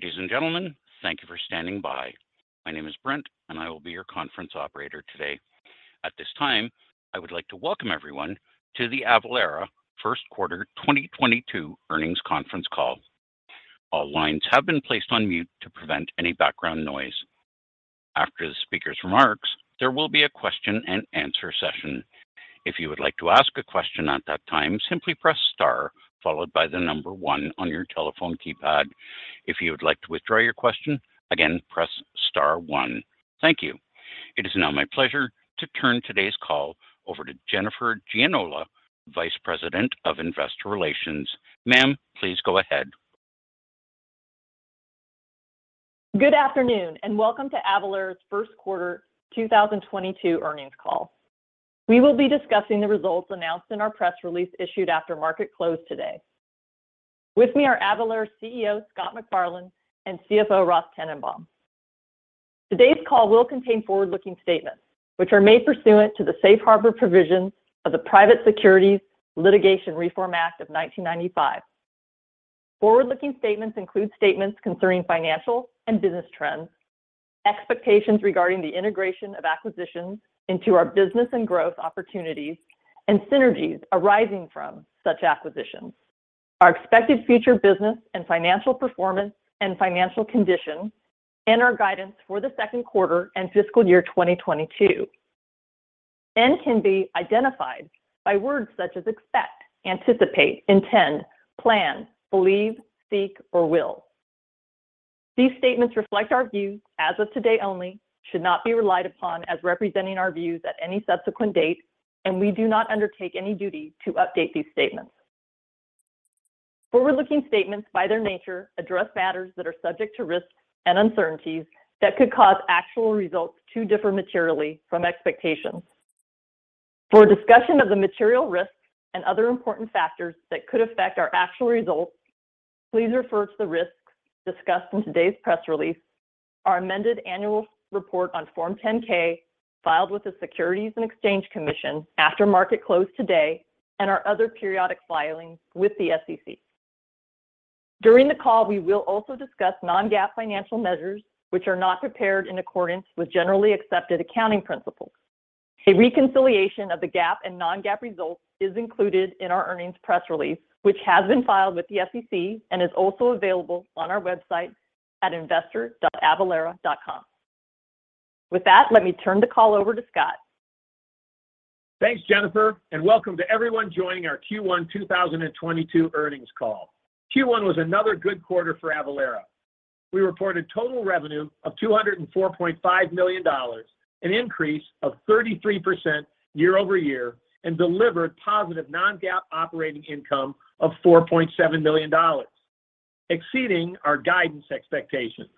Ladies and gentlemen, thank you for standing by. My name is Brent, and I will be your conference operator today. At this time, I would like to welcome everyone to the Avalara First Quarter 2022 Earnings Conference Call. All lines have been placed on mute to prevent any background noise. After the speaker's remarks, there will be a question-and-answer session. If you would like to ask a question at that time, simply press star followed by the number one on your telephone keypad. If you would like to withdraw your question, again, press star one. Thank you. It is now my pleasure to turn today's call over to Jennifer Gianola, Vice President of Investor Relations. Ma'am, please go ahead. Good afternoon, and welcome to Avalara's First Quarter 2022 earnings call. We will be discussing the results announced in our press release issued after market close today. With me are Avalara CEO, Scott McFarlane, and CFO, Ross Tennenbaum. Today's call will contain forward-looking statements, which are made pursuant to the safe harbor provisions of the Private Securities Litigation Reform Act of 1995. Forward-looking statements include statements concerning financial and business trends, expectations regarding the integration of acquisitions into our business and growth opportunities, and synergies arising from such acquisitions, our expected future business and financial performance and financial condition, and our guidance for the second quarter and fiscal year 2022, and can be identified by words such as expect, anticipate, intend, plan, believe, seek or will. These statements reflect our views as of today only, should not be relied upon as representing our views at any subsequent date, and we do not undertake any duty to update these statements. Forward-looking statements, by their nature, address matters that are subject to risks and uncertainties that could cause actual results to differ materially from expectations. For a discussion of the material risks and other important factors that could affect our actual results, please refer to the risks discussed in today's press release, our amended annual report on Form 10-K, filed with the Securities and Exchange Commission after market close today, and our other periodic filings with the SEC. During the call, we will also discuss non-GAAP financial measures, which are not prepared in accordance with generally accepted accounting principles. A reconciliation of the GAAP and non-GAAP results is included in our earnings press release, which has been filed with the SEC and is also available on our website at investor.avalara.com. With that, let me turn the call over to Scott. Thanks, Jennifer, and welcome to everyone joining our Q1 2022 earnings call. Q1 was another good quarter for Avalara. We reported total revenue of $204.5 million, an increase of 33% year-over-year, and delivered positive non-GAAP operating income of $4.7 million, exceeding our guidance expectations.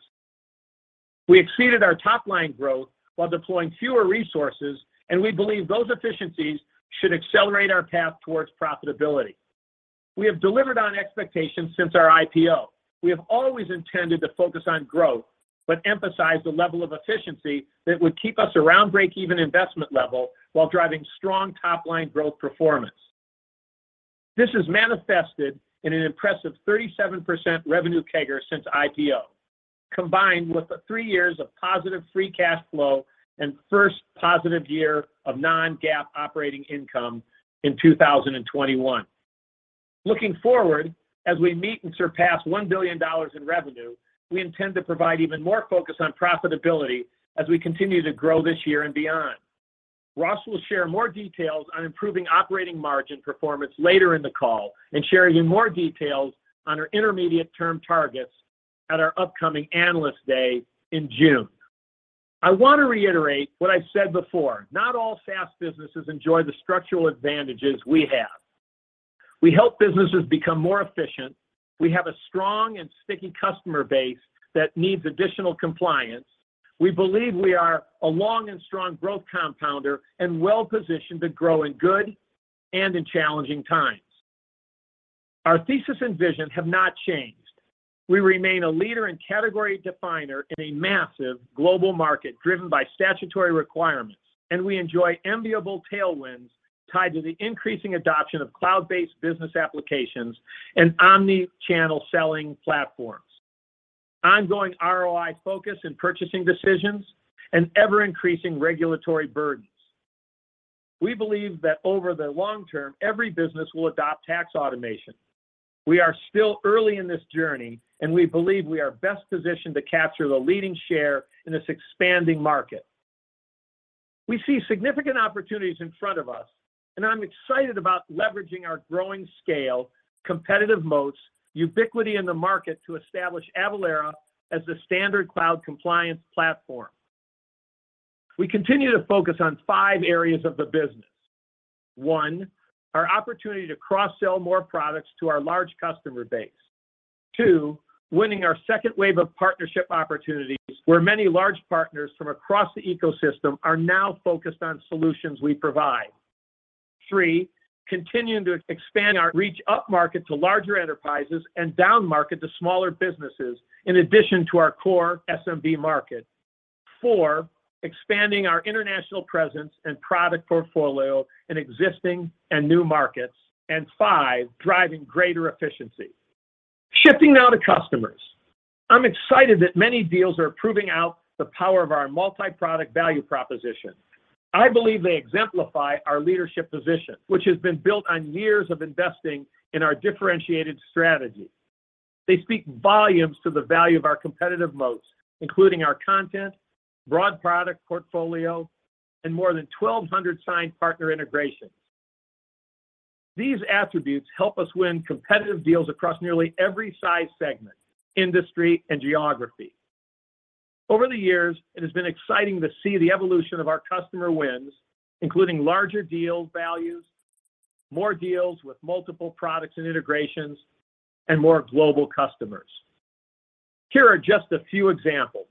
We exceeded our top line growth while deploying fewer resources, and we believe those efficiencies should accelerate our path towards profitability. We have delivered on expectations since our IPO. We have always intended to focus on growth but emphasize the level of efficiency that would keep us around breakeven investment level while driving strong top-line growth performance. This is manifested in an impressive 37% revenue CAGR since IPO, combined with the 3 years of positive free cash flow and first positive year of non-GAAP operating income in 2021. Looking forward, as we meet and surpass $1 billion in revenue, we intend to provide even more focus on profitability as we continue to grow this year and beyond. Ross will share more details on improving operating margin performance later in the call and share even more details on our intermediate-term targets at our upcoming Analyst Day in June. I want to reiterate what I've said before. Not all SaaS businesses enjoy the structural advantages we have. We help businesses become more efficient. We have a strong and sticky customer base that needs additional compliance. We believe we are a long and strong growth compounder and well-positioned to grow in good and in challenging times. Our thesis and vision have not changed. We remain a leader and category definer in a massive global market driven by statutory requirements, and we enjoy enviable tailwinds tied to the increasing adoption of cloud-based business applications and omni-channel selling platforms, ongoing ROI focus in purchasing decisions, and ever-increasing regulatory burdens. We believe that over the long term, every business will adopt tax automation. We are still early in this journey, and we believe we are best positioned to capture the leading share in this expanding market. We see significant opportunities in front of us, and I'm excited about leveraging our growing scale, competitive moats, ubiquity in the market to establish Avalara as the standard cloud compliance platform. We continue to focus on five areas of the business. 1, our opportunity to cross-sell more products to our large customer base. 2, winning our second wave of partnership opportunities, where many large partners from across the ecosystem are now focused on solutions we provide. 3, continuing to expand our reach upmarket to larger enterprises and downmarket to smaller businesses in addition to our core SMB market. 4, expanding our international presence and product portfolio in existing and new markets. 5, driving greater efficiency. Shifting now to customers. I'm excited that many deals are proving out the power of our multi-product value proposition. I believe they exemplify our leadership position, which has been built on years of investing in our differentiated strategy. They speak volumes to the value of our competitive moats, including our content, broad product portfolio, and more than 1,200 signed partner integrations. These attributes help us win competitive deals across nearly every size segment, industry, and geography. Over the years, it has been exciting to see the evolution of our customer wins, including larger deal values, more deals with multiple products and integrations, and more global customers. Here are just a few examples.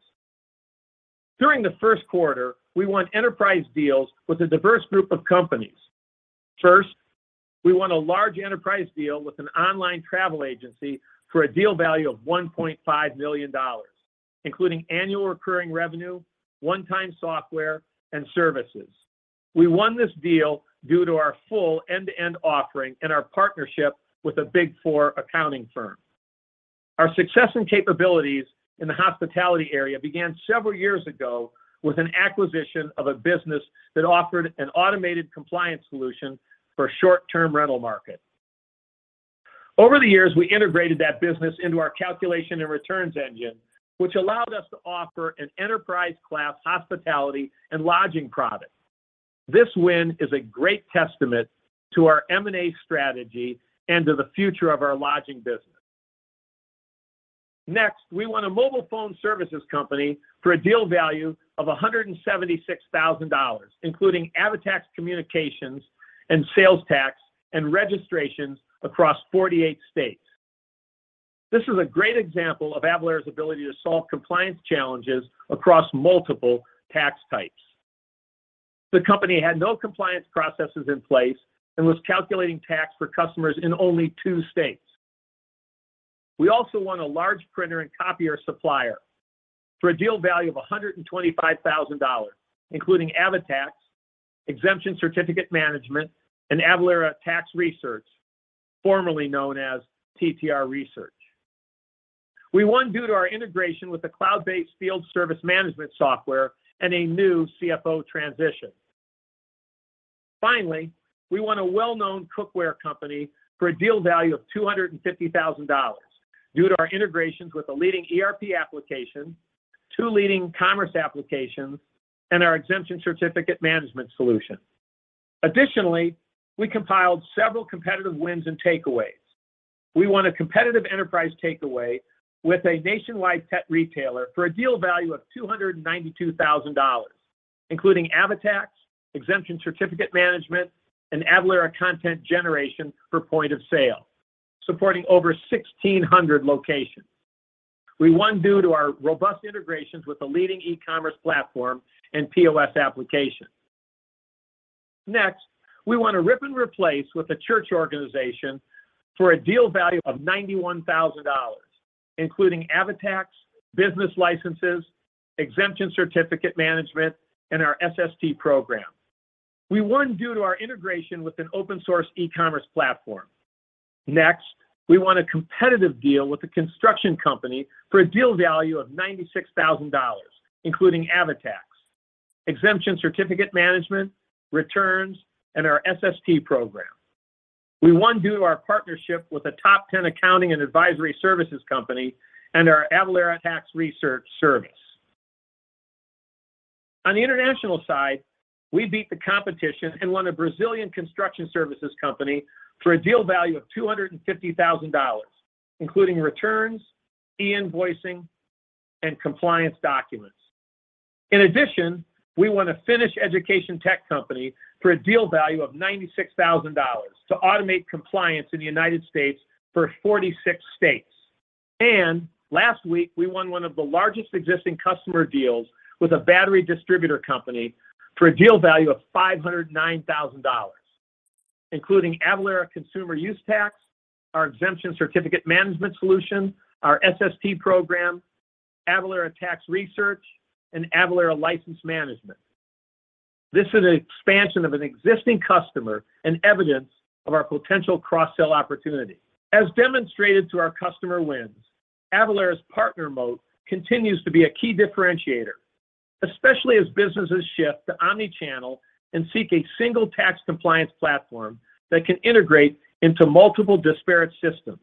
During the first quarter, we won enterprise deals with a diverse group of companies. First, we won a large enterprise deal with an online travel agency for a deal value of $1.5 million, including annual recurring revenue, one-time software, and services. We won this deal due to our full end-to-end offering and our partnership with a Big Four accounting firm. Our success and capabilities in the hospitality area began several years ago with an acquisition of a business that offered an automated compliance solution for short-term rental market. Over the years, we integrated that business into our calculation and returns engine, which allowed us to offer an enterprise-class hospitality and lodging product. This win is a great testament to our M&A strategy and to the future of our lodging business. Next, we won a mobile phone services company for a deal value of $176,000, including AvaTax Communications and sales tax and registrations across 48 states. This is a great example of Avalara's ability to solve compliance challenges across multiple tax types. The company had no compliance processes in place and was calculating tax for customers in only two states. We also won a large printer and copier supplier for a deal value of $125,000, including AvaTax, exemption certificate management, and Avalara Tax Research, formerly known as TTR Research. We won due to our integration with a cloud-based field service management software and a new CFO transition. Finally, we won a well-known cookware company for a deal value of $250,000 due to our integrations with a leading ERP application, two leading commerce applications, and our exemption certificate management solution. Additionally, we compiled several competitive wins and takeaways. We won a competitive enterprise takeaway with a nationwide pet retailer for a deal value of $292,000, including AvaTax, exemption certificate management, and Avalara content generation for point of sale, supporting over 1,600 locations. We won due to our robust integrations with a leading e-commerce platform and POS application. Next, we won a rip and replace with a church organization for a deal value of $91,000, including AvaTax, business licenses, exemption certificate management, and our SST program. We won due to our integration with an open-source e-commerce platform. Next, we won a competitive deal with a construction company for a deal value of $96,000, including AvaTax, exemption certificate management, returns, and our SST program. We won due to our partnership with a top ten accounting and advisory services company and our Avalara Tax Research service. On the international side, we beat the competition and won a Brazilian construction services company for a deal value of $250,000, including returns, e-invoicing, and compliance documents. In addition, we won a Finnish education tech company for a deal value of $96,000 to automate compliance in the United States for 46 states. Last week, we won one of the largest existing customer deals with a battery distributor company for a deal value of $509,000, including Avalara Consumer Use tax, our exemption certificate management solution, our SST program, Avalara Tax Research, and Avalara License Management. This is an expansion of an existing customer and evidence of our potential cross-sell opportunity. As demonstrated through our customer wins, Avalara's partner moat continues to be a key differentiator, especially as businesses shift to omni-channel and seek a single tax compliance platform that can integrate into multiple disparate systems.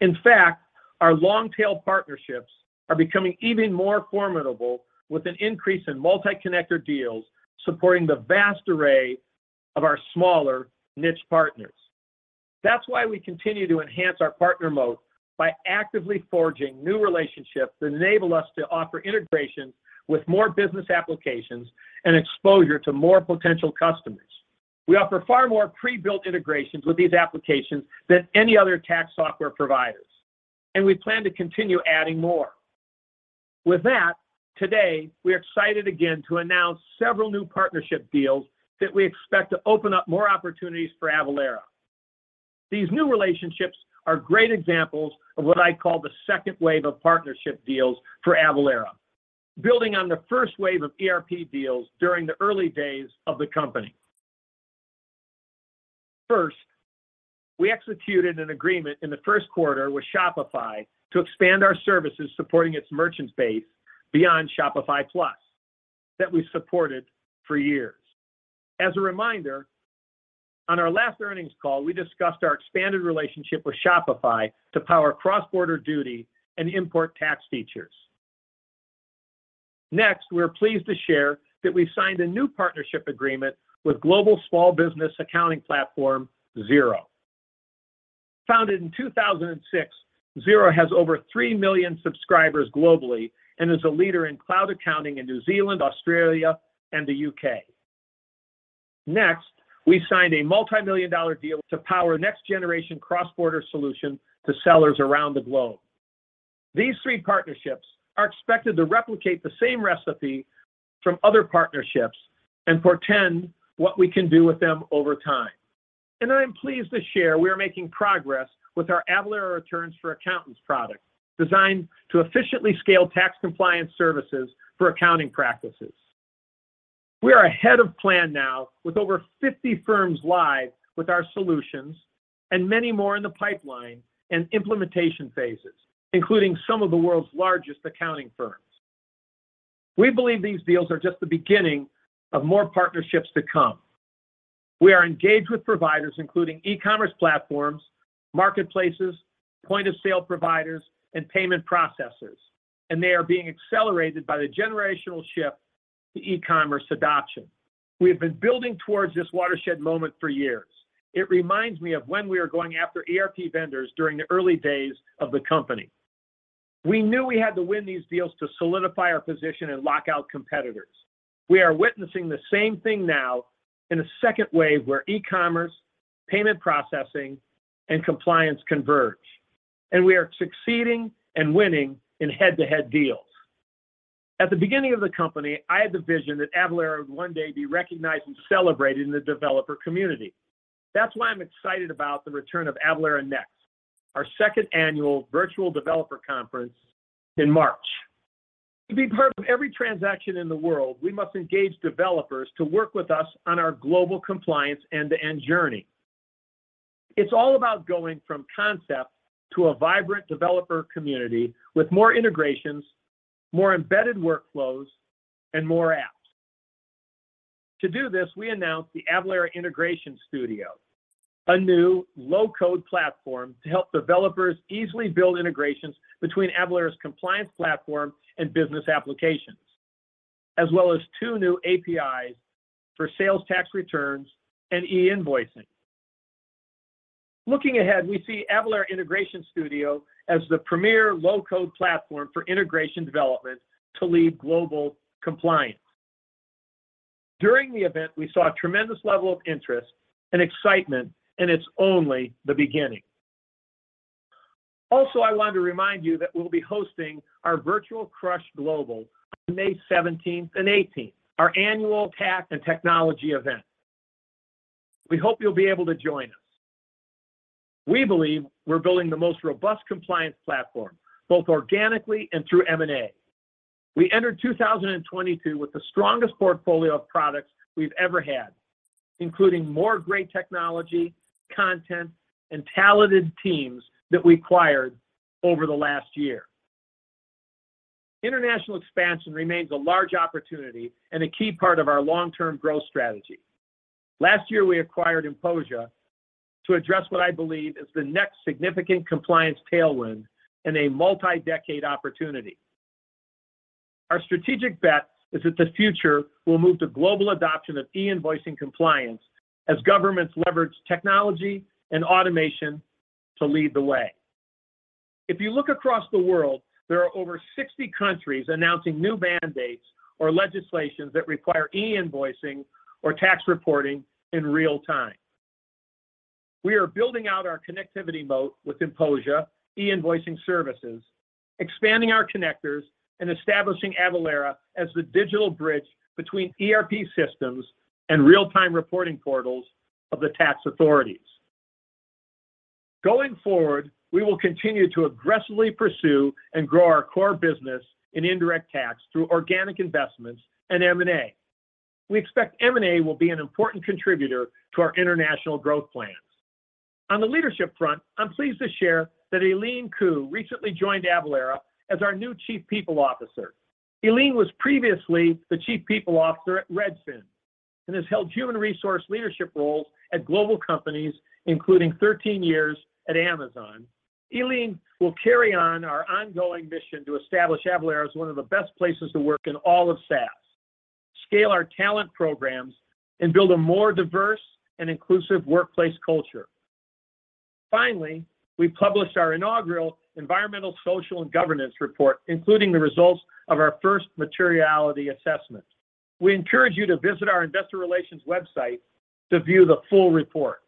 In fact, our long-tail partnerships are becoming even more formidable with an increase in multi-connector deals supporting the vast array of our smaller niche partners. That's why we continue to enhance our partner moat by actively forging new relationships that enable us to offer integrations with more business applications and exposure to more potential customers. We offer far more pre-built integrations with these applications than any other tax software providers, and we plan to continue adding more. With that, today we're excited again to announce several new partnership deals that we expect to open up more opportunities for Avalara. These new relationships are great examples of what I call the second wave of partnership deals for Avalara, building on the first wave of ERP deals during the early days of the company. First, we executed an agreement in the first quarter with Shopify to expand our services supporting its merchant base beyond Shopify Plus that we supported for years. As a reminder, on our last earnings call, we discussed our expanded relationship with Shopify to power cross-border duty and import tax features. Next, we're pleased to share that we signed a new partnership agreement with global small business accounting platform Xero. Founded in 2006, Xero has over 3 million subscribers globally and is a leader in cloud accounting in New Zealand, Australia, and the UK. Next, we signed a multimillion-dollar deal to power next generation cross-border solution to sellers around the globe. These three partnerships are expected to replicate the same recipe from other partnerships and portend what we can do with them over time. I am pleased to share we are making progress with our Avalara Returns for Accountants product, designed to efficiently scale tax compliance services for accounting practices. We are ahead of plan now with over 50 firms live with our solutions and many more in the pipeline and implementation phases, including some of the world's largest accounting firms. We believe these deals are just the beginning of more partnerships to come. We are engaged with providers including e-commerce platforms, marketplaces, point-of-sale providers, and payment processors, and they are being accelerated by the generational shift to e-commerce adoption. We have been building towards this watershed moment for years. It reminds me of when we were going after ERP vendors during the early days of the company. We knew we had to win these deals to solidify our position and lock out competitors. We are witnessing the same thing now in a second wave where e-commerce, payment processing, and compliance converge, and we are succeeding and winning in head-to-head deals. At the beginning of the company, I had the vision that Avalara would one day be recognized and celebrated in the developer community. That's why I'm excited about the return of Avalara Connect, our second annual virtual developer conference in March. To be part of every transaction in the world, we must engage developers to work with us on our global compliance end-to-end journey. It's all about going from concept to a vibrant developer community with more integrations, more embedded workflows, and more apps. To do this, we announced the Avalara Integration Studio, a new low-code platform to help developers easily build integrations between Avalara's compliance platform and business applications, as well as two new APIs for sales tax returns and e-invoicing. Looking ahead, we see Avalara Integration Studio as the premier low-code platform for integration development to lead global compliance. During the event, we saw a tremendous level of interest and excitement, and it's only the beginning. Also, I wanted to remind you that we'll be hosting our virtual CRUSH Global on May 17th and18th, our annual tax and technology event. We hope you'll be able to join us. We believe we're building the most robust compliance platform, both organically and through M&A. We entered 2022 with the strongest portfolio of products we've ever had, including more great technology, content, and talented teams that we acquired over the last year. International expansion remains a large opportunity and a key part of our long-term growth strategy. Last year, we acquired Inposia to address what I believe is the next significant compliance tailwind and a multi-decade opportunity. Our strategic bet is that the future will move to global adoption of e-invoicing compliance as governments leverage technology and automation to lead the way. If you look across the world, there are over 60 countries announcing new mandates or legislations that require e-invoicing or tax reporting in real time. We are building out our connectivity moat with Inposia e-invoicing services, expanding our connectors, and establishing Avalara as the digital bridge between ERP systems and real-time reporting portals of the tax authorities. Going forward, we will continue to aggressively pursue and grow our core business in indirect tax through organic investments and M&A. We expect M&A will be an important contributor to our international growth plans. On the leadership front, I'm pleased to share that Ee Lyn Khoo recently joined Avalara as our new chief people officer. Ee Lyn was previously the chief people officer at Redfin and has held human resource leadership roles at global companies, including 13 years at Amazon. Ee Lyn will carry on our ongoing mission to establish Avalara as one of the best places to work in all of SaaS, scale our talent programs, and build a more diverse and inclusive workplace culture. Finally, we published our inaugural environmental, social, and governance report, including the results of our first materiality assessment. We encourage you to visit our investor relations website to view the full report.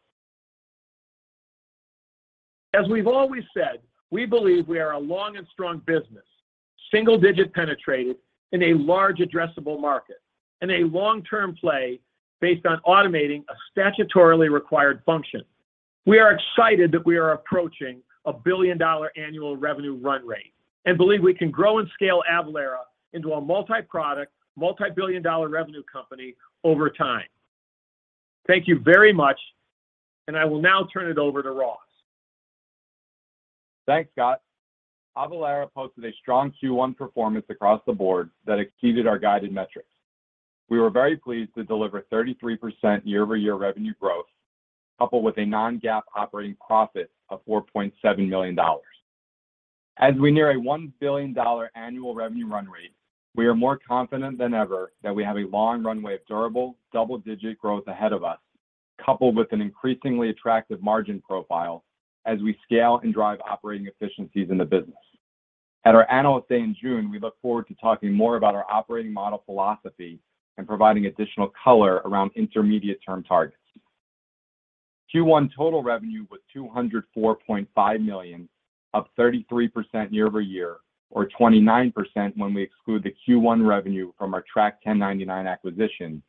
As we've always said, we believe we are a long and strong business, single-digit penetration in a large addressable market, and a long-term play based on automating a statutorily required function. We are excited that we are approaching a billion-dollar annual revenue run rate, and believe we can grow and scale Avalara into a multi-product, multi-billion dollar revenue company over time. Thank you very much, and I will now turn it over to Ross. Thanks, Scott. Avalara posted a strong Q1 performance across the board that exceeded our guided metrics. We were very pleased to deliver 33% year-over-year revenue growth, coupled with a non-GAAP operating profit of $4.7 million. As we near a $1 billion annual revenue run rate, we are more confident than ever that we have a long runway of durable, double-digit growth ahead of us, coupled with an increasingly attractive margin profile as we scale and drive operating efficiencies in the business. At our Analyst Day in June, we look forward to talking more about our operating model philosophy and providing additional color around intermediate term targets. Q1 total revenue was $204.5 million, up 33% year-over-year or 29% when we exclude the Q1 revenue from our Track1099 acquisition,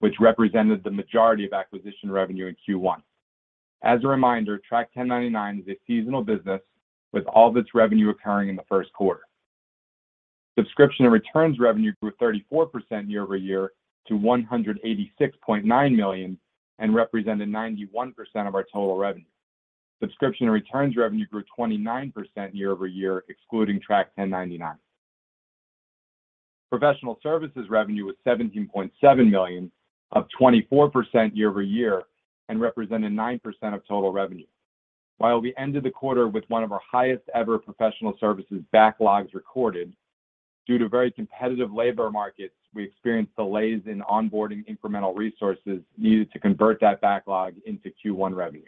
which represented the majority of acquisition revenue in Q1. As a reminder, Track1099 is a seasonal business with all of its revenue occurring in the first quarter. Subscription and returns revenue grew 34% year-over-year to $186.9 million and represented 91% of our total revenue. Subscription and returns revenue grew 29% year-over-year, excluding Track1099. Professional services revenue was $17.7 million, up 24% year-over-year and represented 9% of total revenue. While we ended the quarter with one of our highest ever professional services backlogs recorded, due to very competitive labor markets, we experienced delays in onboarding incremental resources needed to convert that backlog into Q1 revenue.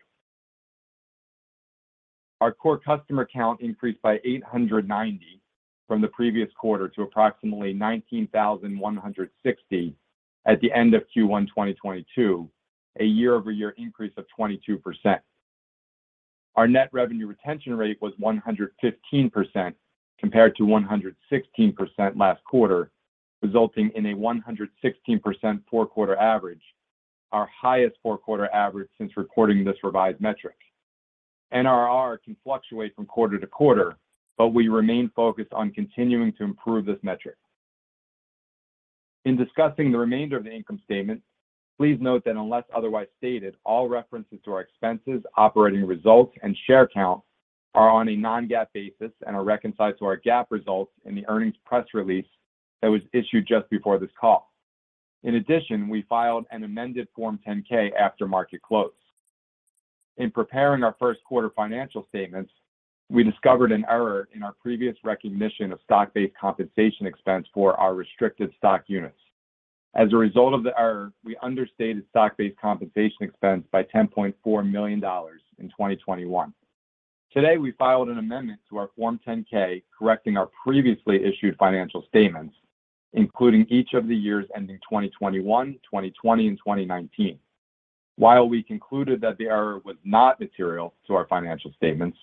Our core customer count increased by 890 from the previous quarter to approximately 19,160 at the end of Q1 2022, a year-over-year increase of 22%. Our net revenue retention rate was 115% compared to 116% last quarter, resulting in a 116% four-quarter average, our highest four-quarter average since recording this revised metric. NRR can fluctuate from quarter to quarter, but we remain focused on continuing to improve this metric. In discussing the remainder of the income statement, please note that unless otherwise stated, all references to our expenses, operating results, and share count are on a non-GAAP basis and are reconciled to our GAAP results in the earnings press release that was issued just before this call. In addition, we filed an amended Form 10-K after market close. In preparing our first quarter financial statements, we discovered an error in our previous recognition of stock-based compensation expense for our restricted stock units. As a result of the error, we understated stock-based compensation expense by $10.4 million in 2021. Today, we filed an amendment to our Form 10-K, correcting our previously issued financial statements, including each of the years ending 2021, 2020 and 2019. While we concluded that the error was not material to our financial statements,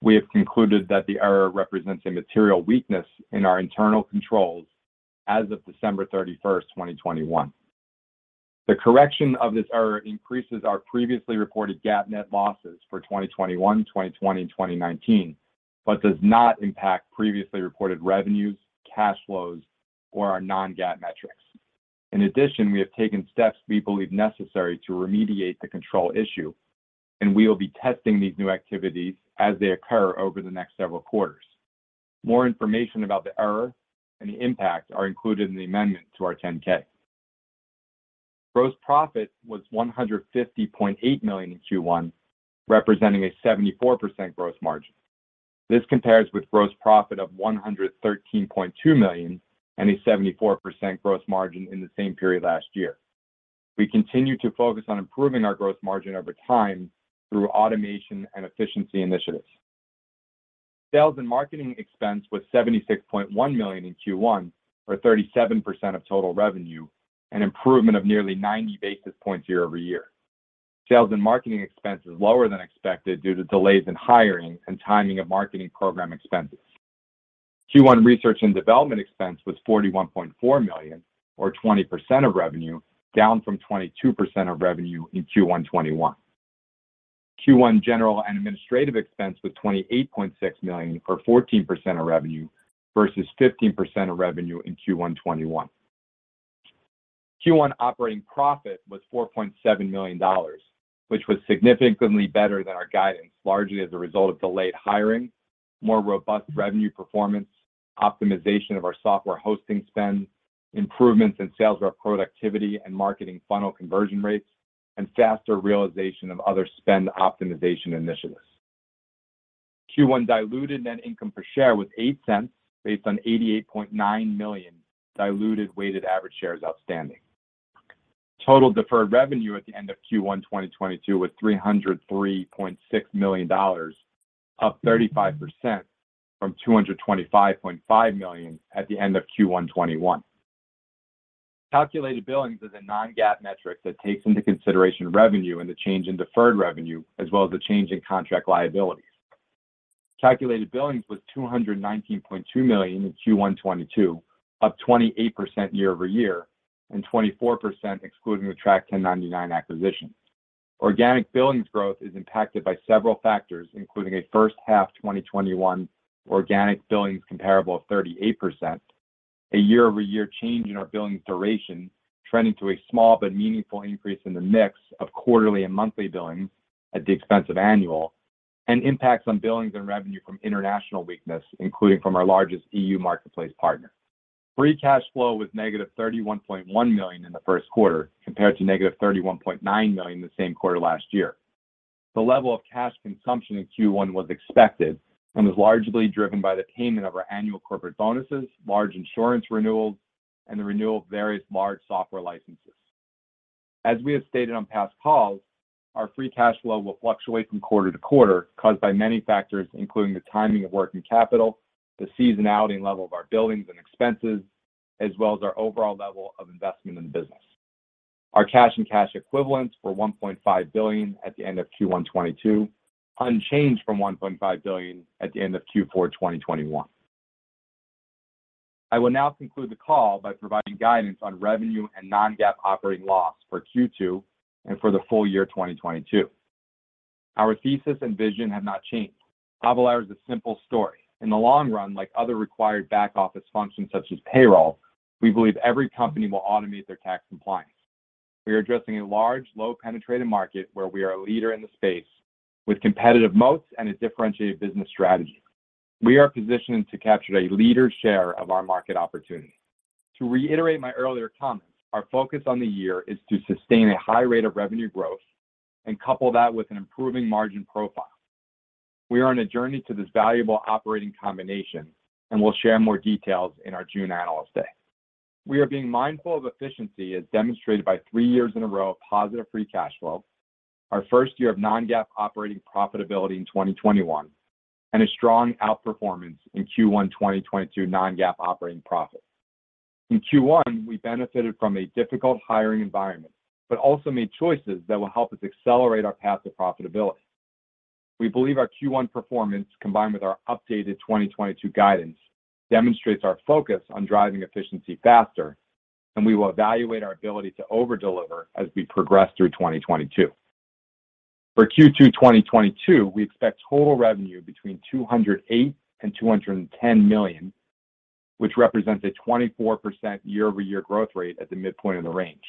we have concluded that the error represents a material weakness in our internal controls as of December 31, 2021. The correction of this error increases our previously reported GAAP net losses for 2021, 2020, and 2019, but does not impact previously reported revenues, cash flows, or our non-GAAP metrics. In addition, we have taken steps we believe necessary to remediate the control issue, and we will be testing these new activities as they occur over the next several quarters. More information about the error and the impact are included in the amendment to our 10-K. Gross profit was $150.8 million in Q1, representing a 74% gross margin. This compares with gross profit of $113.2 million and a 74% gross margin in the same period last year. We continue to focus on improving our gross margin over time through automation and efficiency initiatives. Sales and marketing expense was $76.1 million in Q1, or 37% of total revenue, an improvement of nearly ninety basis points year-over-year. Sales and marketing expense is lower than expected due to delays in hiring and timing of marketing program expenses. Q1 research and development expense was $41.4 million, or 20% of revenue, down from 22% of revenue in Q1 2021. Q1 general and administrative expense was $28.6 million, or 14% of revenue versus 15% of revenue in Q1 2021. Q1 operating profit was $4.7 million, which was significantly better than our guidance, largely as a result of delayed hiring, more robust revenue performance, optimization of our software hosting spend, improvements in sales rep productivity and marketing funnel conversion rates, and faster realization of other spend optimization initiatives. Q1 diluted net income per share was $0.08 based on 88.9 million diluted weighted average shares outstanding. Total deferred revenue at the end of Q1 2022 was $303.6 million, up 35% from $225.5 million at the end of Q1 2021. Calculated billings is a non-GAAP metric that takes into consideration revenue and the change in deferred revenue, as well as the change in contract liabilities. Calculated billings was $219.2 million in Q1 2022, up 28% year-over-year and 24% excluding the Track1099 acquisition. Organic billings growth is impacted by several factors, including a first half 2021 organic billings comparable of 38%, a year-over-year change in our billings duration trending to a small but meaningful increase in the mix of quarterly and monthly billings at the expense of annual, and impacts on billings and revenue from international weakness, including from our largest EU marketplace partner. Free cash flow was -$31.1 million in the first quarter, compared to -$31.9 million the same quarter last year. The level of cash consumption in Q1 was expected and was largely driven by the payment of our annual corporate bonuses, large insurance renewals, and the renewal of various large software licenses. As we have stated on past calls, our free cash flow will fluctuate from quarter to quarter, caused by many factors, including the timing of working capital, the seasonality and level of our billings and expenses, as well as our overall level of investment in the business. Our cash and cash equivalents were $1.5 billion at the end of Q1 2022, unchanged from $1.5 billion at the end of Q4 2021. I will now conclude the call by providing guidance on revenue and non-GAAP operating loss for Q2 and for the full year 2022. Our thesis and vision have not changed. Avalara is a simple story. In the long run, like other required back office functions such as payroll, we believe every company will automate their tax compliance. We are addressing a large, low-penetrated market where we are a leader in the space with competitive moats and a differentiated business strategy. We are positioned to capture a leader's share of our market opportunity. To reiterate my earlier comment, our focus on the year is to sustain a high rate of revenue growth and couple that with an improving margin profile. We are on a journey to this valuable operating combination, and we'll share more details in our June Analyst Day. We are being mindful of efficiency as demonstrated by 3 years in a row of positive free cash flow, our first year of non-GAAP operating profitability in 2021, and a strong outperformance in Q1 2022 non-GAAP operating profit. In Q1, we benefited from a difficult hiring environment, but also made choices that will help us accelerate our path to profitability. We believe our Q1 performance, combined with our updated 2022 guidance, demonstrates our focus on driving efficiency faster, and we will evaluate our ability to over-deliver as we progress through 2022. For Q2 2022, we expect total revenue between $208 million and $210 million, which represents a 24% year-over-year growth rate at the midpoint of the range.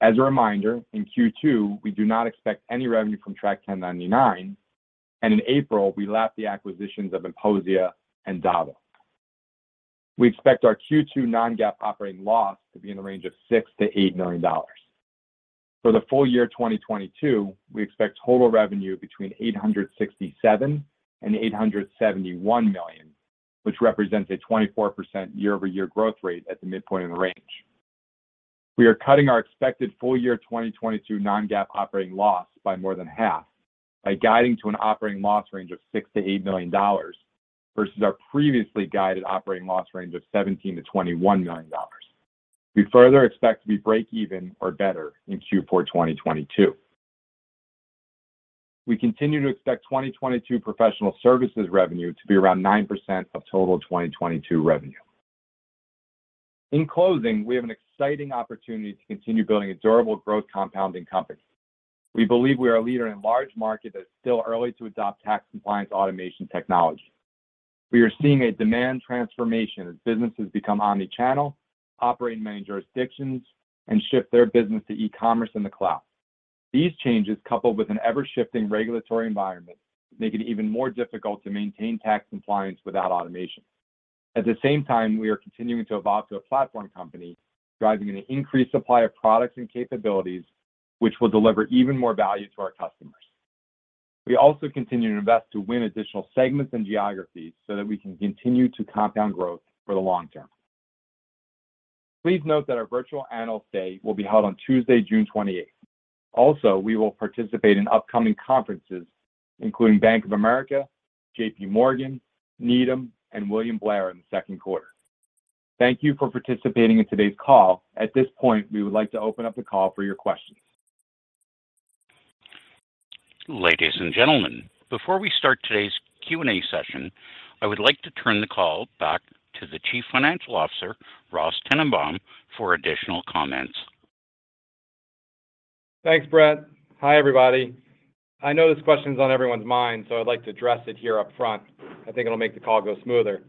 As a reminder, in Q2, we do not expect any revenue from Track1099, and in April, we lapped the acquisitions of Inposia and DAVO. We expect our Q2 non-GAAP operating loss to be in the range of $6 million-$8 million. For the full year 2022, we expect total revenue between $867 million and $871 million, which represents a 24% year-over-year growth rate at the midpoint of the range. We are cutting our expected full year 2022 non-GAAP operating loss by more than half by guiding to an operating loss range of $6 million-$8 million versus our previously guided operating loss range of $17 million-$21 million. We further expect to be breakeven or better in Q4 2022. We continue to expect 2022 professional services revenue to be around 9% of total 2022 revenue. In closing, we have an exciting opportunity to continue building a durable growth compounding company. We believe we are a leader in a large market that's still early to adopt tax compliance automation technology. We are seeing a demand transformation as businesses become omni-channel, operate in many jurisdictions, and ship their business to e-commerce in the cloud. These changes, coupled with an ever-shifting regulatory environment, make it even more difficult to maintain tax compliance without automation. At the same time, we are continuing to evolve to a platform company, driving an increased supply of products and capabilities which will deliver even more value to our customers. We also continue to invest to win additional segments and geographies so that we can continue to compound growth for the long term. Please note that our virtual Analyst Day will be held on Tuesday, June 28th. Also, we will participate in upcoming conferences, including Bank of America, JP Morgan, Needham, and William Blair in the second quarter. Thank you for participating in today's call. At this point, we would like to open up the call for your questions. Ladies and gentlemen, before we start today's Q&A session, I would like to turn the call back to the Chief Financial Officer, Ross Tennenbaum, for additional comments. Thanks, Brent. Hi, everybody. I know this question is on everyone's mind, so I'd like to address it here up front. I think it'll make the call go smoother.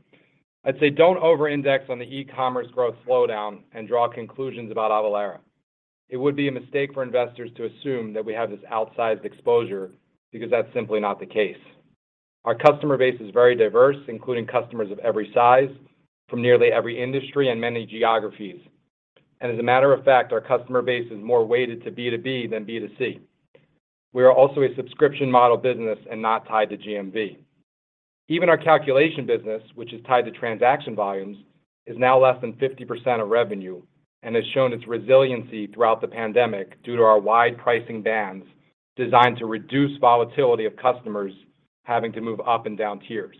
I'd say don't over-index on the e-commerce growth slowdown and draw conclusions about Avalara. It would be a mistake for investors to assume that we have this outsized exposure because that's simply not the case. Our customer base is very diverse, including customers of every size from nearly every industry and many geographies. As a matter of fact, our customer base is more weighted to B2B than B2C. We are also a subscription model business and not tied to GMV. Even our calculation business, which is tied to transaction volumes, is now less than 50% of revenue and has shown its resiliency throughout the pandemic due to our wide pricing bands designed to reduce volatility of customers having to move up and down tiers.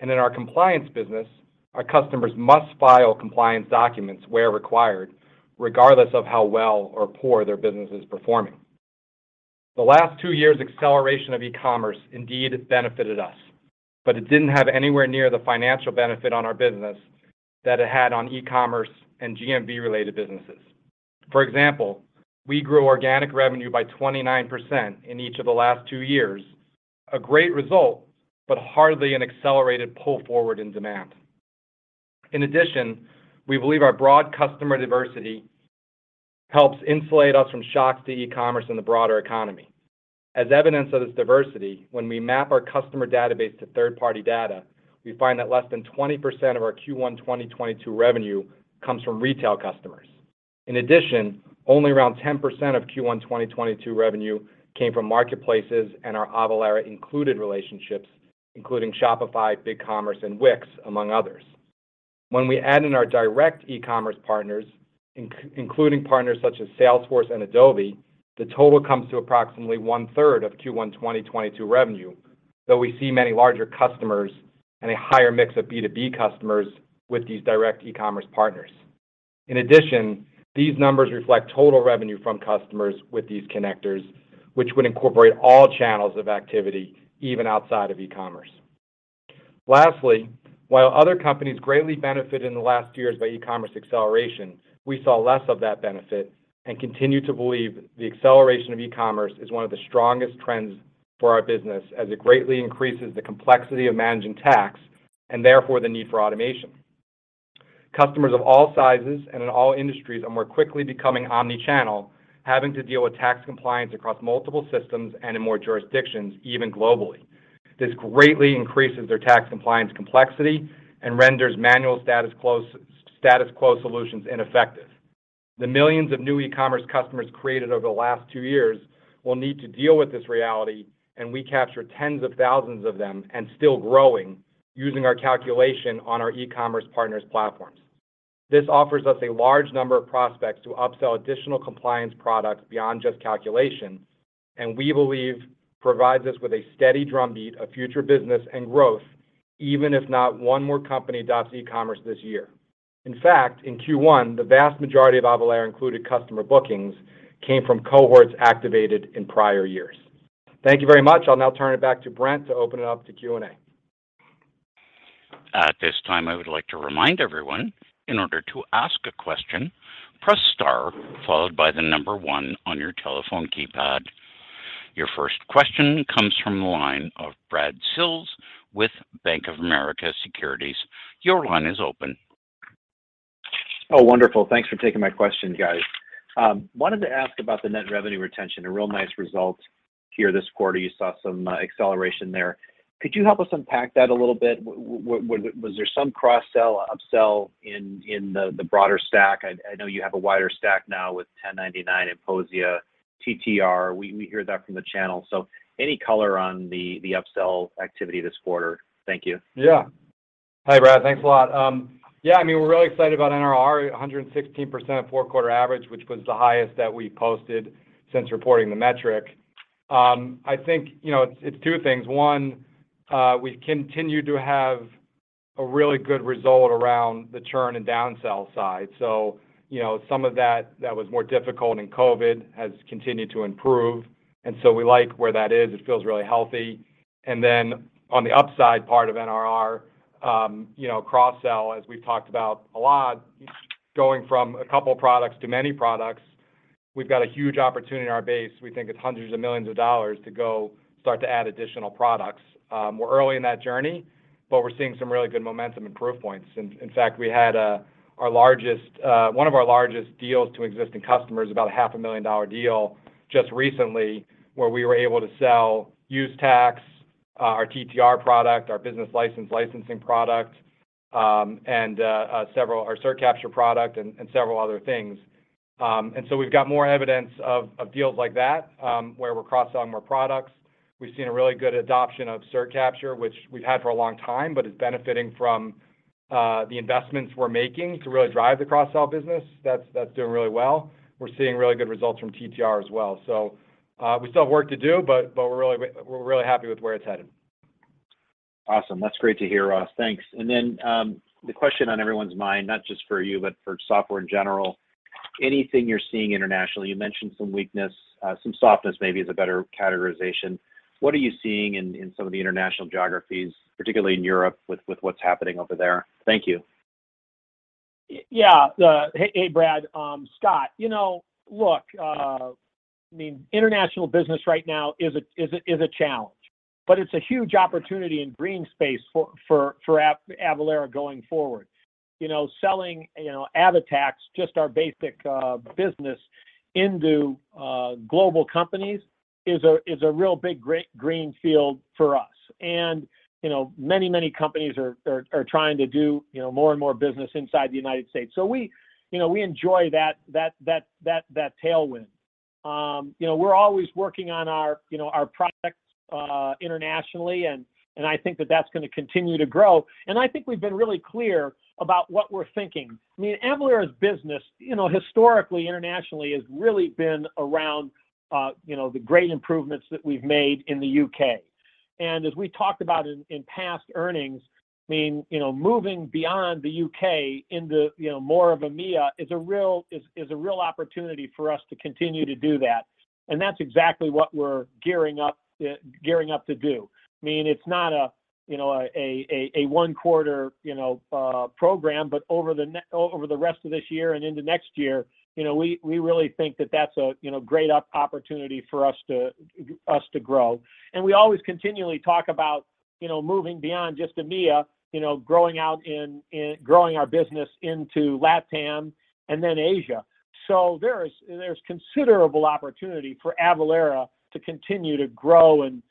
In our compliance business, our customers must file compliance documents where required, regardless of how well or poor their business is performing. The last two years acceleration of e-commerce indeed benefited us, but it didn't have anywhere near the financial benefit on our business that it had on e-commerce and GMV related businesses. For example, we grew organic revenue by 29% in each of the last two years. A great result, but hardly an accelerated pull forward in demand. In addition, we believe our broad customer diversity helps insulate us from shocks to e-commerce in the broader economy. As evidence of this diversity, when we map our customer database to third-party data, we find that less than 20% of our Q1 2022 revenue comes from retail customers. In addition, only around 10% of Q1 2022 revenue came from marketplaces and our Avalara included relationships, including Shopify, BigCommerce, and Wix, among others. When we add in our direct e-commerce partners, including partners such as Salesforce and Adobe, the total comes to approximately 1/3 of Q1 2022 revenue, though we see many larger customers and a higher mix of B2B customers with these direct e-commerce partners. In addition, these numbers reflect total revenue from customers with these connectors, which would incorporate all channels of activity even outside of e-commerce. Lastly, while other companies greatly benefited in the last years by e-commerce acceleration, we saw less of that benefit and continue to believe the acceleration of e-commerce is one of the strongest trends for our business as it greatly increases the complexity of managing tax, and therefore the need for automation. Customers of all sizes and in all industries are more quickly becoming omni-channel, having to deal with tax compliance across multiple systems and in more jurisdictions, even globally. This greatly increases their tax compliance complexity and renders manual status quo solutions ineffective. The millions of new e-commerce customers created over the last two years will need to deal with this reality, and we capture tens of thousands of them and still growing using our calculation on our e-commerce partners platforms. This offers us a large number of prospects to upsell additional compliance products beyond just calculation, and we believe provides us with a steady drumbeat of future business and growth, even if not one more company adopts e-commerce this year. In fact, in Q1, the vast majority of Avalara included customer bookings came from cohorts activated in prior years. Thank you very much. I'll now turn it back to Brent to open it up to Q&A. At this time, I would like to remind everyone, in order to ask a question, press star followed by the number 1 on your telephone keypad. Your first question comes from the line of Brad Sills with Bank of America Securities. Your line is open. Oh, wonderful. Thanks for taking my question, guys. Wanted to ask about the net revenue retention. A real nice result here this quarter. You saw some acceleration there. Could you help us unpack that a little bit? Was there some cross-sell, upsell in the broader stack? I know you have a wider stack now with Track1099 and Inposia, TTR. We hear that from the channel. So any color on the upsell activity this quarter? Thank you. Yeah. Hi, Brad. Thanks a lot. Yeah, I mean, we're really excited about NRR, 116% four-quarter average, which was the highest that we posted since reporting the metric. I think, you know, it's two things. One, we continue to have a really good result around the churn and downsell side. You know, some of that that was more difficult in COVID has continued to improve, and so we like where that is. It feels really healthy. And then on the upside part of NRR, you know, cross-sell, as we've talked about a lot, going from a couple products to many products, we've got a huge opportunity in our base. We think it's hundreds of millions of dollars to go start to add additional products. We're early in that journey, but we're seeing some really good momentum and proof points. In fact, we had one of our largest deals to existing customers, about half a million dollar deal just recently, where we were able to sell use tax, our TTR product, our business license licensing product, and our CertCapture product and several other things. We've got more evidence of deals like that, where we're cross-selling more products. We've seen a really good adoption of CertCapture, which we've had for a long time, but is benefiting from the investments we're making to really drive the cross-sell business. That's doing really well. We're seeing really good results from TTR as well. We still have work to do, but we're really happy with where it's headed. Awesome. That's great to hear, Ross. Thanks. The question on everyone's mind, not just for you, but for software in general, anything you're seeing internationally, you mentioned some weakness, some softness maybe is a better categorization. What are you seeing in some of the international geographies, particularly in Europe with what's happening over there? Thank you. Yeah. Hey, Brad, Scott, you know, look, I mean, international business right now is a challenge, but it's a huge opportunity in greenfield space for Avalara going forward. You know, selling AvaTax, just our basic business into global companies is a real big great greenfield for us. You know, many companies are trying to do more and more business inside the United States. We enjoy that tailwind. You know, we're always working on our products internationally, and I think that's gonna continue to grow. I think we've been really clear about what we're thinking. I mean, Avalara's business, you know, historically, internationally, has really been around, you know, the great improvements that we've made in the UK. As we talked about in past earnings, I mean, you know, moving beyond the UK into, you know, more of EMEA is a real opportunity for us to continue to do that. That's exactly what we're gearing up to do. I mean, it's not a one-quarter program, but over the rest of this year and into next year, you know, we really think that that's a great opportunity for us to grow. We always continually talk about, you know, moving beyond just EMEA, you know, growing our business into LatAm and then Asia. There's considerable opportunity for Avalara to continue to grow and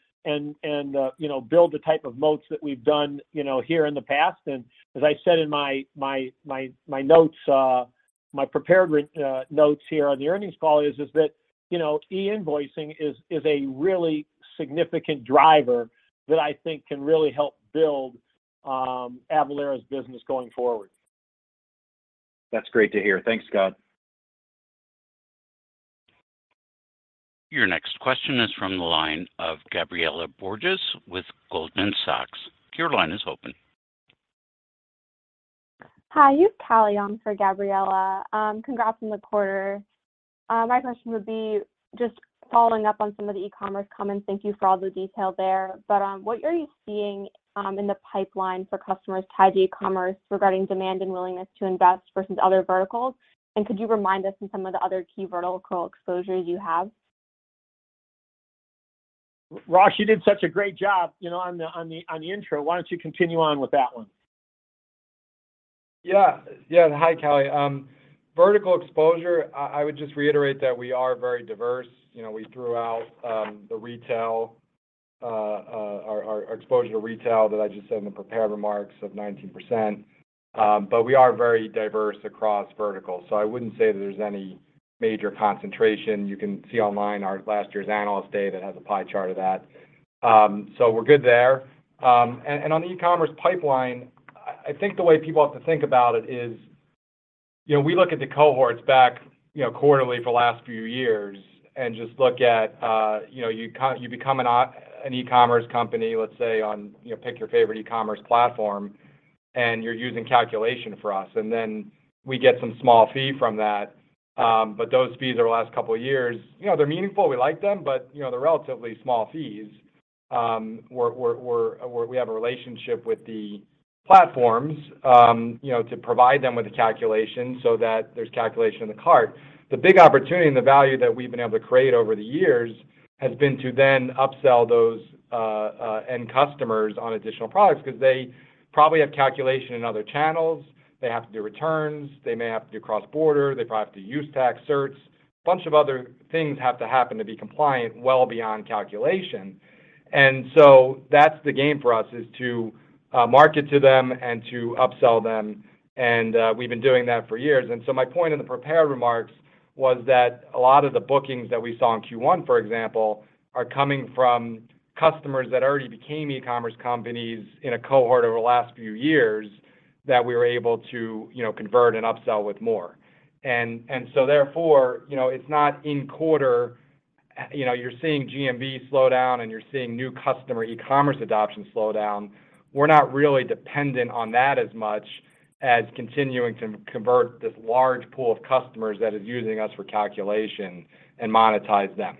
you know, build the type of moats that we've done, you know, here in the past. As I said in my prepared notes here on the earnings call is that, you know, e-invoicing is a really significant driver that I think can really help build Avalara's business going forward. That's great to hear. Thanks, Scott. Your next question is from the line of Gabriela Borges with Goldman Sachs. Your line is open. Hi, you've got Callie on for Gabriela. Congrats on the quarter. My question would be just following up on some of the e-commerce comments. Thank you for all the detail there. What are you seeing in the pipeline for customers tied to e-commerce regarding demand and willingness to invest versus other verticals? And could you remind us of some of the other key vertical exposures you have? Ross, you did such a great job, you know, on the intro. Why don't you continue on with that one? Hi, Callie. Vertical exposure, I would just reiterate that we are very diverse. You know, we threw out the retail exposure to retail that I just said in the prepared remarks of 19%. We are very diverse across verticals. I wouldn't say that there's any major concentration. You can see online our last year's Analyst Day that has a pie chart of that. We're good there. On the e-commerce pipeline, I think the way people have to think about it is, you know, we look at the cohorts back, you know, quarterly for the last few years and just look at, you know, you become an e-commerce company, let's say, on, you know, pick your favorite e-commerce platform, and you're using calculation for us, and then we get some small fee from that. But those fees over the last couple of years, you know, they're meaningful, we like them, but, you know, they're relatively small fees. We have a relationship with the platforms, you know, to provide them with the calculation so that there's calculation in the cart. The big opportunity and the value that we've been able to create over the years has been to then upsell those end customers on additional products 'cause they probably have calculation in other channels. They have to do returns, they may have to do cross-border, they probably have to use tax certs. A bunch of other things have to happen to be compliant well beyond calculation. That's the game for us, is to market to them and to upsell them. We've been doing that for years. My point in the prepared remarks was that a lot of the bookings that we saw in Q1, for example, are coming from customers that already became e-commerce companies in a cohort over the last few years that we were able to, you know, convert and upsell with more. Therefore, you know, it's not in quarter, you know, you're seeing GMV slow down and you're seeing new customer e-commerce adoption slow down. We're not really dependent on that as much as continuing to convert this large pool of customers that is using us for calculation and monetize them.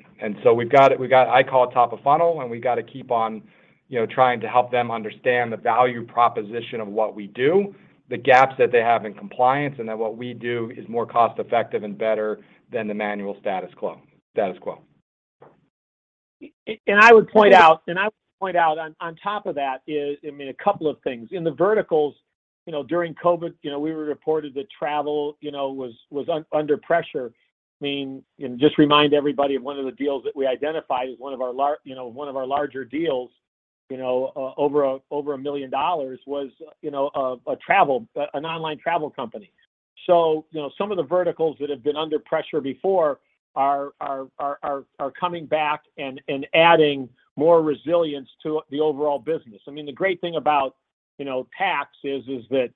We've got, I call it top of funnel, and we've got to keep on, you know, trying to help them understand the value proposition of what we do, the gaps that they have in compliance, and that what we do is more cost-effective and better than the manual status quo. I would point out on top of that is, I mean, a couple of things. In the verticals, you know, during COVID, you know, we reported that travel, you know, was under pressure. I mean, just remind everybody of one of the deals that we identified as one of our larger deals, you know, over $1 million was, you know, an online travel company. Some of the verticals that have been under pressure before are coming back and adding more resilience to the overall business. I mean, the great thing about, you know, tax is that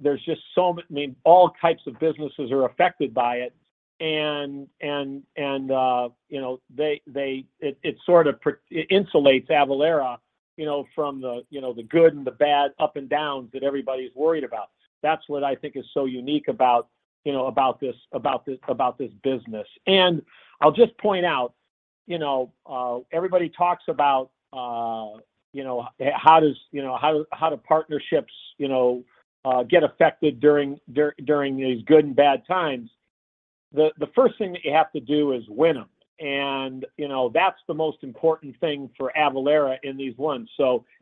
there's just I mean, all types of businesses are affected by it, and you know, it sort of insulates Avalara, you know, from the, you know, the good and the bad ups and downs that everybody's worried about. That's what I think is so unique about, you know, about this business. I'll just point out, you know, everybody talks about, you know, how do partnerships, you know, get affected during these good and bad times? The first thing that you have to do is win 'em. You know, that's the most important thing for Avalara in these wins.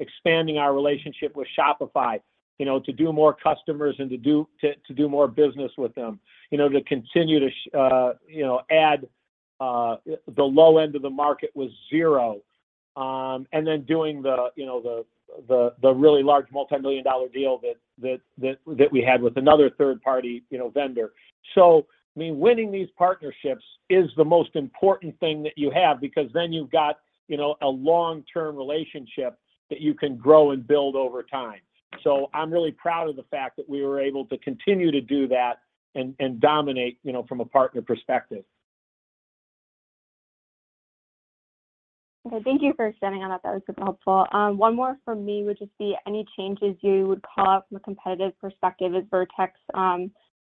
Expanding our relationship with Shopify, you know, to do more customers and to do more business with them, you know, to continue to add the low end of the market with Xero, doing the really large multimillion-dollar deal that we had with another third party vendor. I mean, winning these partnerships is the most important thing that you have because then you've got, you know, a long-term relationship that you can grow and build over time. I'm really proud of the fact that we were able to continue to do that and dominate, you know, from a partner perspective. Okay, thank you for expanding on that. That was super helpful. One more from me, which is there any changes you would call out from a competitive perspective as Vertex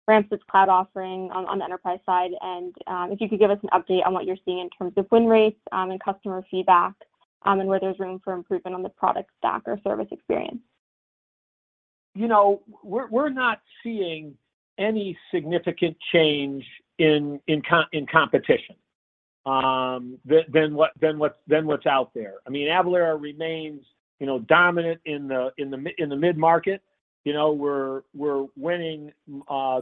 ramps its cloud offering on the enterprise side, and if you could give us an update on what you're seeing in terms of win rates and customer feedback, and where there's room for improvement on the product stack or service experience. You know, we're not seeing any significant change in competition than what's out there. I mean, Avalara remains, you know, dominant in the mid-market. You know, we're winning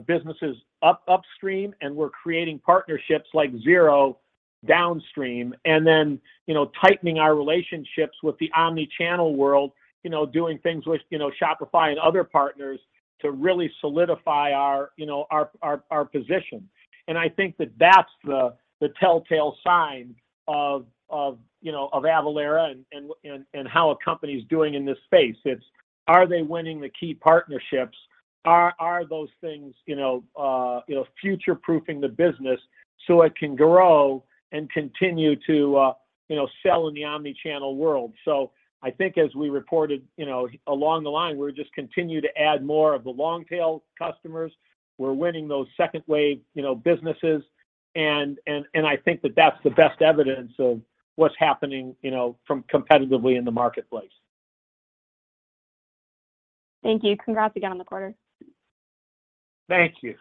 businesses upstream, and we're creating partnerships like Xero downstream, and then, you know, tightening our relationships with the omni-channel world, you know, doing things with, you know, Shopify and other partners to really solidify our, you know, our position. I think that that's the telltale sign of, you know, of Avalara and how a company's doing in this space. It's are they winning the key partnerships? Are those things, you know, you know, future-proofing the business so it can grow and continue to, you know, sell in the omni-channel world. I think as we reported, you know, along the line, we're just continue to add more of the long tail customers. We're winning those second wave, you know, businesses and I think that that's the best evidence of what's happening, you know, from competitively in the marketplace. Thank you. Congrats again on the quarter. Thank you.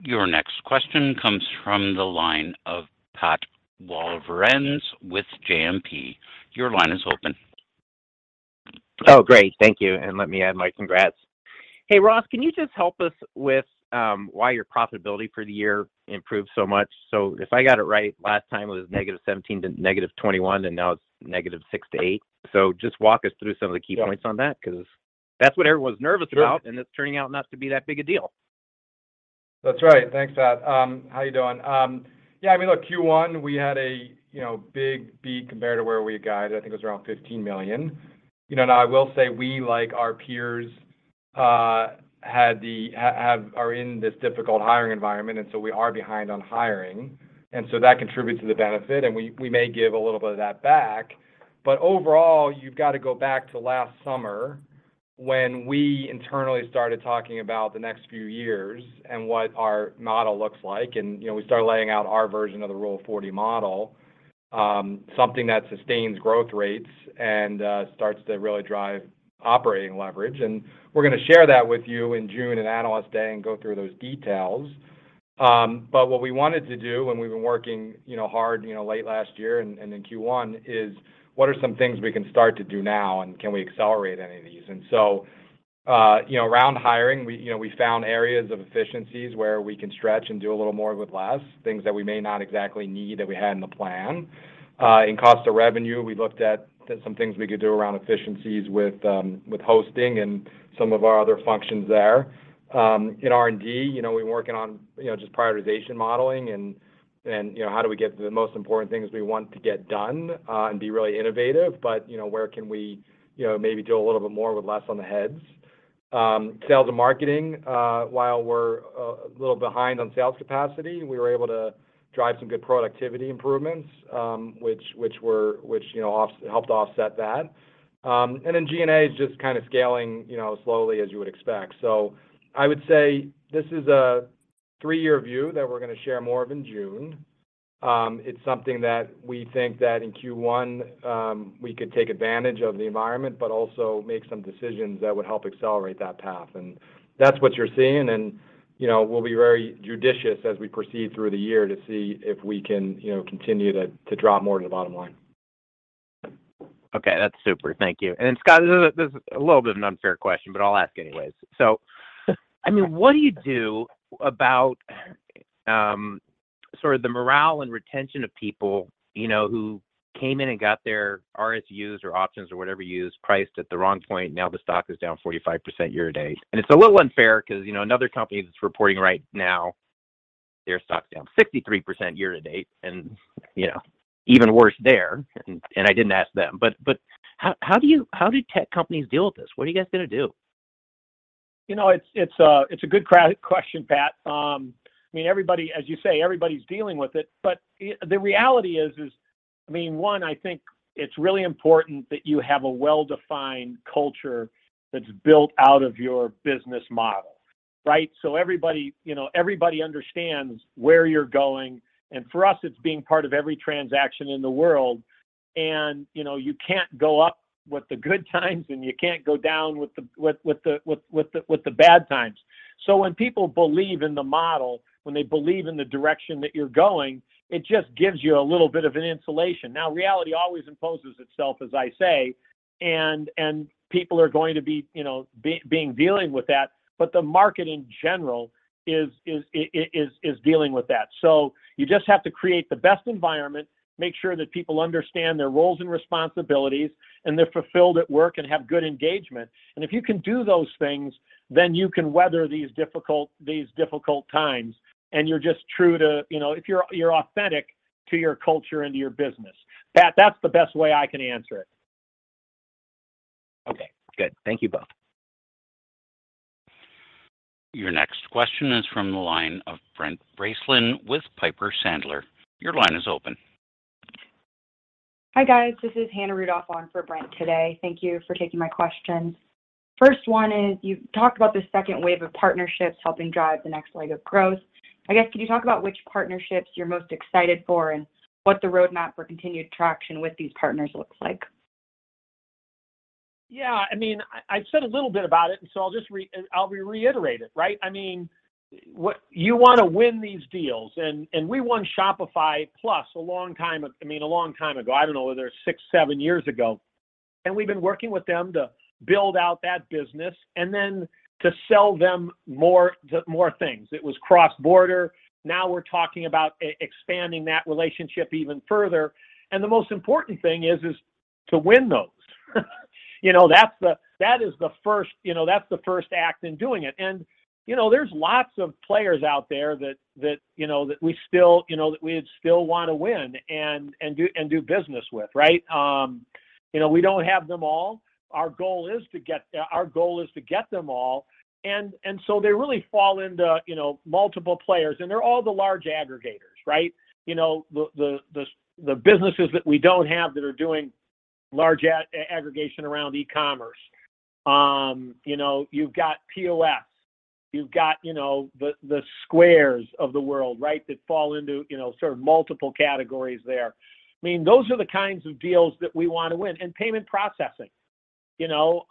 Your next question comes from the line of Pat Walravens with JMP. Your line is open. Oh, great. Thank you. Let me add my congrats. Hey, Ross, can you just help us with why your profitability for the year improved so much? If I got it right, last time it was -17% to -21%, and now it's -6% to 8%. Just walk us through some of the key points on that 'cause that's what everyone's nervous about. Sure. It's turning out not to be that big a deal. That's right. Thanks, Pat. How you doing? Yeah, I mean, look, Q1, we had a, you know, big beat compared to where we had guided. I think it was around $15 million. You know, now I will say we, like our peers, are in this difficult hiring environment, and so we are behind on hiring. That contributes to the benefit, and we may give a little bit of that back. Overall, you've got to go back to last summer when we internally started talking about the next few years and what our model looks like. You know, we started laying out our version of the Rule of 40 model, something that sustains growth rates and starts to really drive operating leverage. We're gonna share that with you in June in Analyst Day and go through those details. What we wanted to do when we've been working, you know, hard, you know, late last year and in Q1 is what are some things we can start to do now, and can we accelerate any of these? You know, around hiring, you know, we found areas of efficiencies where we can stretch and do a little more with less, things that we may not exactly need that we had in the plan. In cost of revenue, we looked at some things we could do around efficiencies with hosting and some of our other functions there. In R&D, you know, we're working on, you know, just prioritization modeling and you know, how do we get the most important things we want to get done, and be really innovative, but, you know, where can we, you know, maybe do a little bit more with less on the headcount. Sales and marketing, while we're a little behind on sales capacity, we were able to drive some good productivity improvements, which you know, helped offset that. G&A is just kinda scaling, you know, slowly as you would expect. I would say this is a three-year view that we're gonna share more of in June. It's something that we think that in Q1, we could take advantage of the environment but also make some decisions that would help accelerate that path. That's what you're seeing and, you know, we'll be very judicious as we proceed through the year to see if we can, you know, continue to drop more to the bottom line. Okay. That's super. Thank you. Scott, this is a little bit of an unfair question, but I'll ask anyways. I mean, what do you do about sort of the morale and retention of people, you know, who came in and got their RSUs or options or whatever you use priced at the wrong point, now the stock is down 45% year to date? It's a little unfair because, you know, another company that's reporting right now, their stock's down 63% year to date and, you know, even worse there, and I didn't ask them. How do tech companies deal with this? What are you guys gonna do? You know, it's a good question, Pat. I mean, everybody, as you say, everybody's dealing with it. The reality is, I mean, one, I think it's really important that you have a well-defined culture that's built out of your business model, right? Everybody, you know, everybody understands where you're going. For us, it's being part of every transaction in the world. You know, you can't go up with the good times, and you can't go down with the bad times. When people believe in the model, when they believe in the direction that you're going, it just gives you a little bit of an insulation. Now, reality always imposes itself, as I say, and people are going to be, you know, being dealing with that. The market in general is dealing with that. You just have to create the best environment, make sure that people understand their roles and responsibilities, and they're fulfilled at work and have good engagement. If you can do those things, then you can weather these difficult times. You're just true to, you know, if you're authentic to your culture and to your business. Pat, that's the best way I can answer it. Good. Thank you both. Your next question is from the line of Brent Bracelin with Piper Sandler. Your line is open. Hi, guys. This is Hannah Rudoff on for Brent today. Thank you for taking my questions. First one is you've talked about the second wave of partnerships helping drive the next leg of growth. I guess, could you talk about which partnerships you're most excited for and what the roadmap for continued traction with these partners looks like? Yeah. I mean, I've said a little bit about it, so I'll just reiterate it, right? I mean, you wanna win these deals, and we won Shopify Plus a long time ago. I don't know whether it's 6, 7 years ago. We've been working with them to build out that business and then to sell them more things. It was cross-border. Now we're talking about expanding that relationship even further. The most important thing is to win those. You know, that's the first act in doing it. You know, there's lots of players out there that we still wanna win and do business with, right? You know, we don't have them all. Our goal is to get them all. They really fall into, you know, multiple players, and they're all the large aggregators, right? You know, the businesses that we don't have that are doing large aggregation around e-commerce. You know, you've got POS. You've got, you know, the Square of the world, right, that fall into, you know, sort of multiple categories there. I mean, those are the kinds of deals that we wanna win. Payment processing. You know,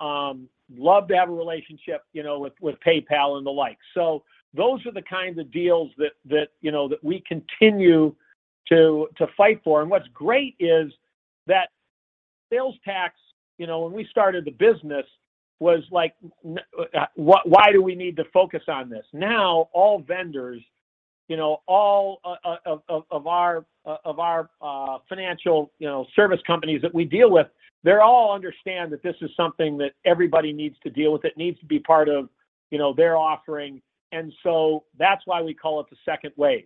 love to have a relationship, you know, with PayPal and the like. Those are the kinds of deals that, you know, that we continue to fight for. What's great is that sales tax, you know, when we started the business was like, "No, why do we need to focus on this?" Now, all vendors, you know, all of our financial service companies that we deal with, they all understand that this is something that everybody needs to deal with. It needs to be part of their offering, you know. That's why we call it the second wave.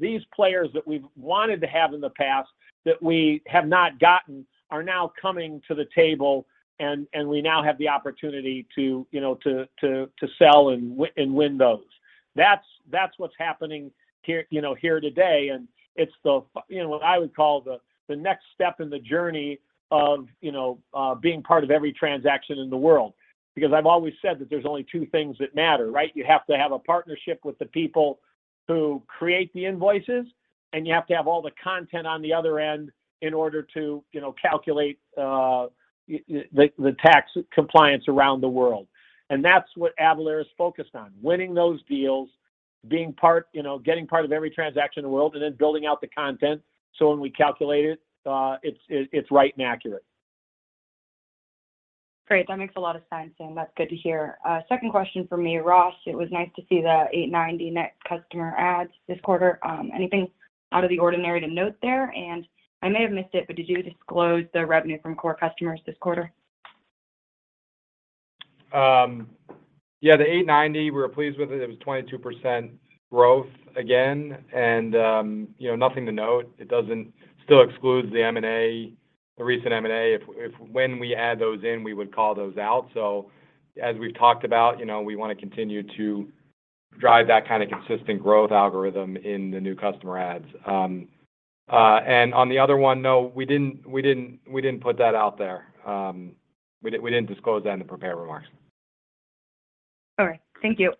These players that we've wanted to have in the past that we have not gotten are now coming to the table, and we now have the opportunity to sell and win those, you know. That's what's happening here, you know, here today, and it's, you know, what I would call the next step in the journey of, you know, being part of every transaction in the world. Because I've always said that there's only two things that matter, right? You have to have a partnership with the people who create the invoices, and you have to have all the content on the other end in order to, you know, calculate the tax compliance around the world. That's what Avalara is focused on, winning those deals, being part, you know, getting part of every transaction in the world, and then building out the content so when we calculate it's right and accurate. Great. That makes a lot of sense. That's good to hear. Second question from me. Ross, it was nice to see the 890 net customer adds this quarter. Anything out of the ordinary to note there? I may have missed it, but did you disclose the revenue from core customers this quarter? Yeah. The 8.90, we were pleased with it. It was 22% growth again. You know, nothing to note. It still excludes the M&A, the recent M&A. When we add those in, we would call those out. As we've talked about, you know, we wanna continue to drive that kind of consistent growth algorithm in the new customer adds. On the other one, no, we didn't put that out there. We didn't disclose that in the prepared remarks. All right. Thank you.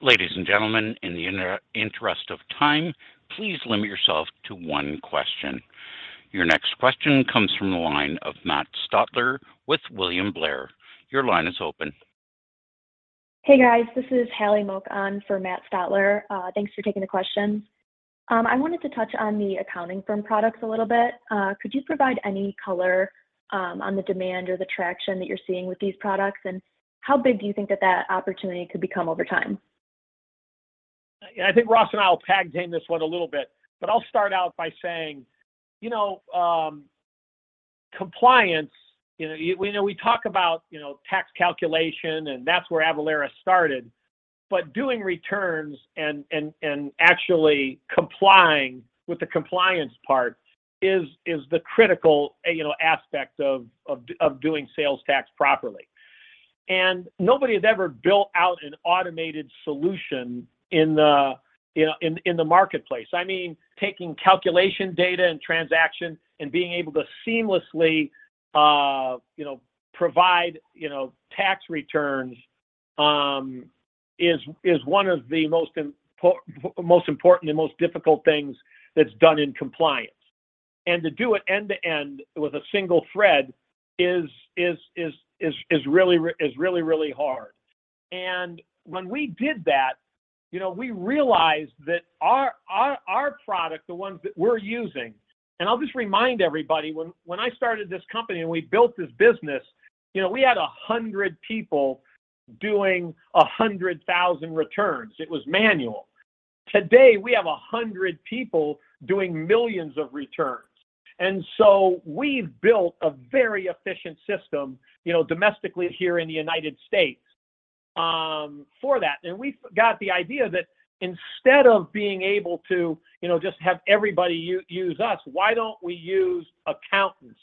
Ladies and gentlemen, in the interest of time, please limit yourself to one question. Your next question comes from the line of Matthew Stotler with William Blair. Your line is open. Hey, guys. This is Hailey Moak on for Matthew Stotler. Thanks for taking the questions. I wanted to touch on the accounting firm products a little bit. Could you provide any color on the demand or the traction that you're seeing with these products? How big do you think that opportunity could become over time? Yeah. I think Ross and I will tag team this one a little bit, but I'll start out by saying, you know, compliance, you know. You know, we talk about, you know, tax calculation, and that's where Avalara started. Doing returns and actually complying with the compliance part is the critical, you know, aspect of doing sales tax properly. Nobody has ever built out an automated solution in the, you know, marketplace. I mean, taking calculation data and transaction and being able to seamlessly, you know, provide, you know, tax returns is one of the most important and most difficult things that's done in compliance. To do it end-to-end with a single thread is really, really hard. When we did that, you know, we realized that our product, the ones that we're using. I'll just remind everybody, when I started this company and we built this business, you know, we had 100 people doing 100,000 returns. It was manual. Today, we have 100 people doing millions of returns. We've built a very efficient system, you know, domestically here in the United States. For that. We've got the idea that instead of being able to, you know, just have everybody use us, why don't we use accountants,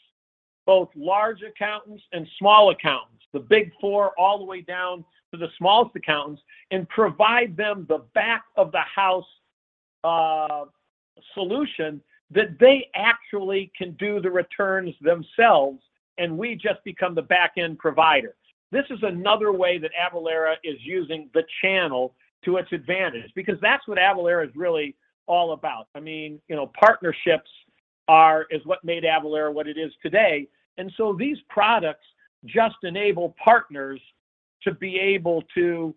both large accountants and small accountants, the Big Four all the way down to the smallest accountants, and provide them the back-of-the-house solution that they actually can do the returns themselves, and we just become the back-end provider. This is another way that Avalara is using the channel to its advantage because that's what Avalara is really all about. I mean, partnerships is what made Avalara what it is today. These products just enable partners to be able to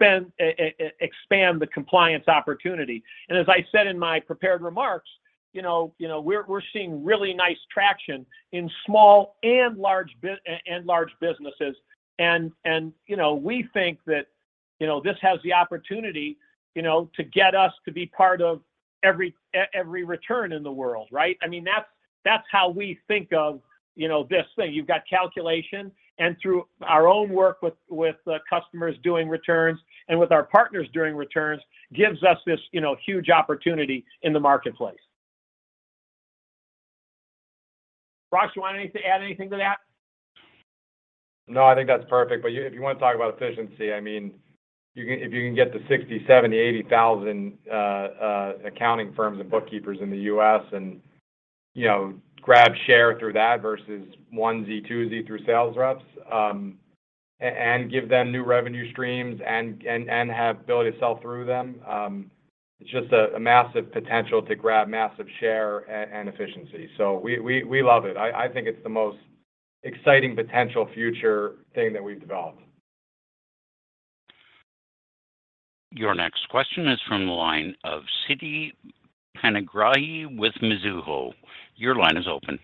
expand the compliance opportunity. As I said in my prepared remarks, we're seeing really nice traction in small and large businesses. We think that this has the opportunity to get us to be part of every return in the world, right? I mean, that's how we think of this thing. You've got calculation, and through our own work with customers doing returns and with our partners doing returns gives us this huge opportunity in the marketplace. Ross, you want anything, add anything to that? No, I think that's perfect. If you wanna talk about efficiency, I mean, you can if you can get the 60,000, 70,000, 80,000 accounting firms and bookkeepers in the U.S. and, you know, grab share through that versus onesie, twosie through sales reps, and give them new revenue streams and have ability to sell through them, it's just a massive potential to grab massive share and efficiency. We love it. I think it's the most exciting potential future thing that we've developed. Your next question is from the line of Siti Panigrahi with Mizuho. Your line is open.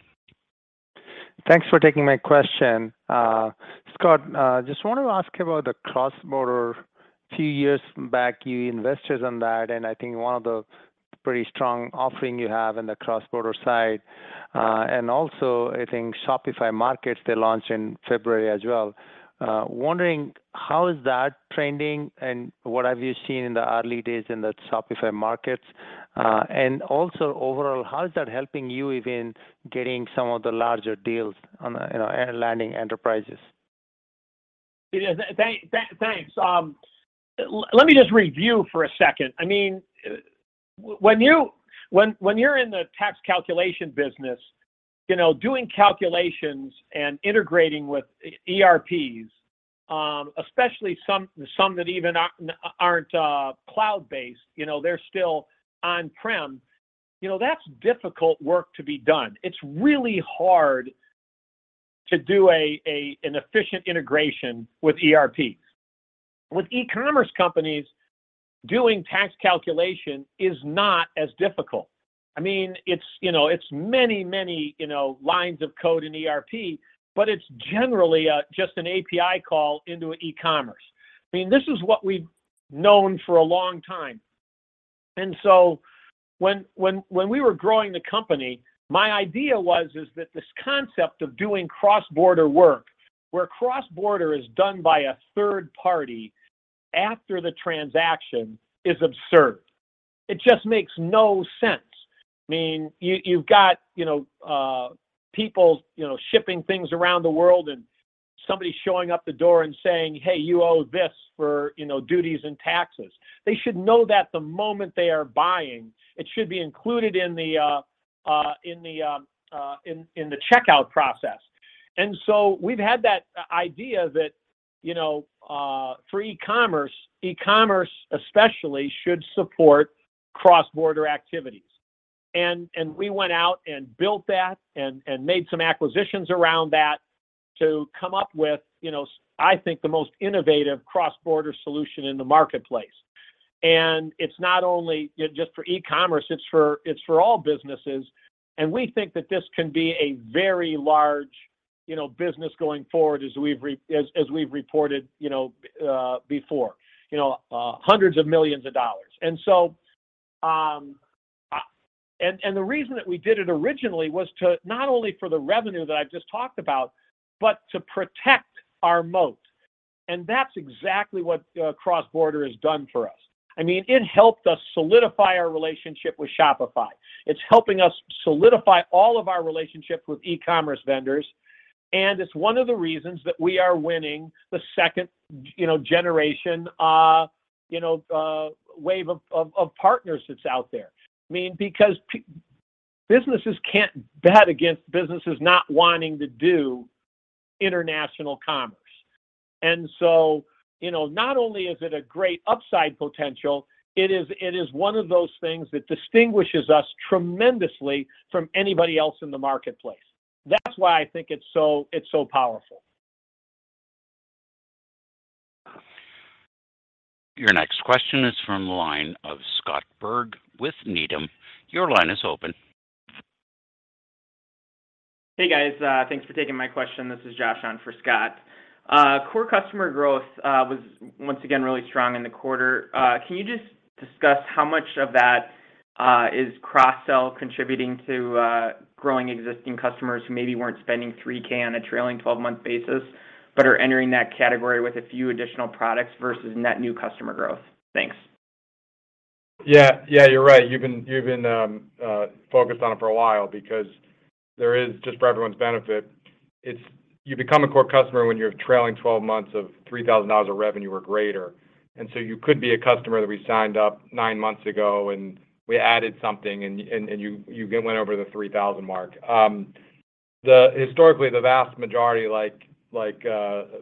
Thanks for taking my question. Scott, just want to ask about the cross-border. Few years back, you invested in that, and I think one of the pretty strong offering you have in the cross-border side. I think Shopify Markets they launched in February as well. Wondering how is that trending and what have you seen in the early days in the Shopify Markets? Overall, how is that helping you even getting some of the larger deals on the, you know, and landing enterprises? Thanks. Let me just review for a second. I mean, when you're in the tax calculation business, you know, doing calculations and integrating with ERPs, especially some that even aren't cloud-based, you know, they're still on-prem, you know, that's difficult work to be done. It's really hard to do an efficient integration with ERPs. With e-commerce companies, doing tax calculation is not as difficult. I mean, it's, you know, many lines of code in ERP, but it's generally just an API call into e-commerce. I mean, this is what we've known for a long time. When we were growing the company, my idea was that this concept of doing cross-border work, where cross-border is done by a third party after the transaction is absurd. It just makes no sense. I mean, you've got, you know, people, you know, shipping things around the world and somebody showing up at the door and saying, "Hey, you owe this for, you know, duties and taxes." They should know that the moment they are buying. It should be included in the checkout process. We've had that idea that, you know, for e-commerce especially should support cross-border activities. We went out and built that and made some acquisitions around that to come up with, you know, I think the most innovative cross-border solution in the marketplace. It's not only just for e-commerce, it's for all businesses. We think that this can be a very large, you know, business going forward as we've reported, you know, before. You know, hundreds of millions of dollars. The reason that we did it originally was to not only for the revenue that I've just talked about, but to protect our moat. That's exactly what cross-border has done for us. I mean, it helped us solidify our relationship with Shopify. It's helping us solidify all of our relationships with e-commerce vendors, and it's one of the reasons that we are winning the second, you know, generation, you know, wave of partners that's out there. I mean, because businesses can't bet against businesses not wanting to do international commerce. You know, not only is it a great upside potential, it is one of those things that distinguishes us tremendously from anybody else in the marketplace. That's why I think it's so powerful. Your next question is from the line of Scott Berg with Needham. Your line is open. Hey, guys. Thanks for taking my question. This is Josh on for Scott. Core customer growth was once again really strong in the quarter. Can you just discuss how much of that is cross-sell contributing to growing existing customers who maybe weren't spending $3,000 on a trailing twelve-month basis but are entering that category with a few additional products versus net new customer growth? Thanks. Yeah. Yeah, you're right. You've been focused on it for a while. Just for everyone's benefit, you become a core customer when your trailing twelve months of $3,000 of revenue are greater. You could be a customer that we signed up 9 months ago, and we added something and you went over the $3,000 mark. Historically, the vast majority like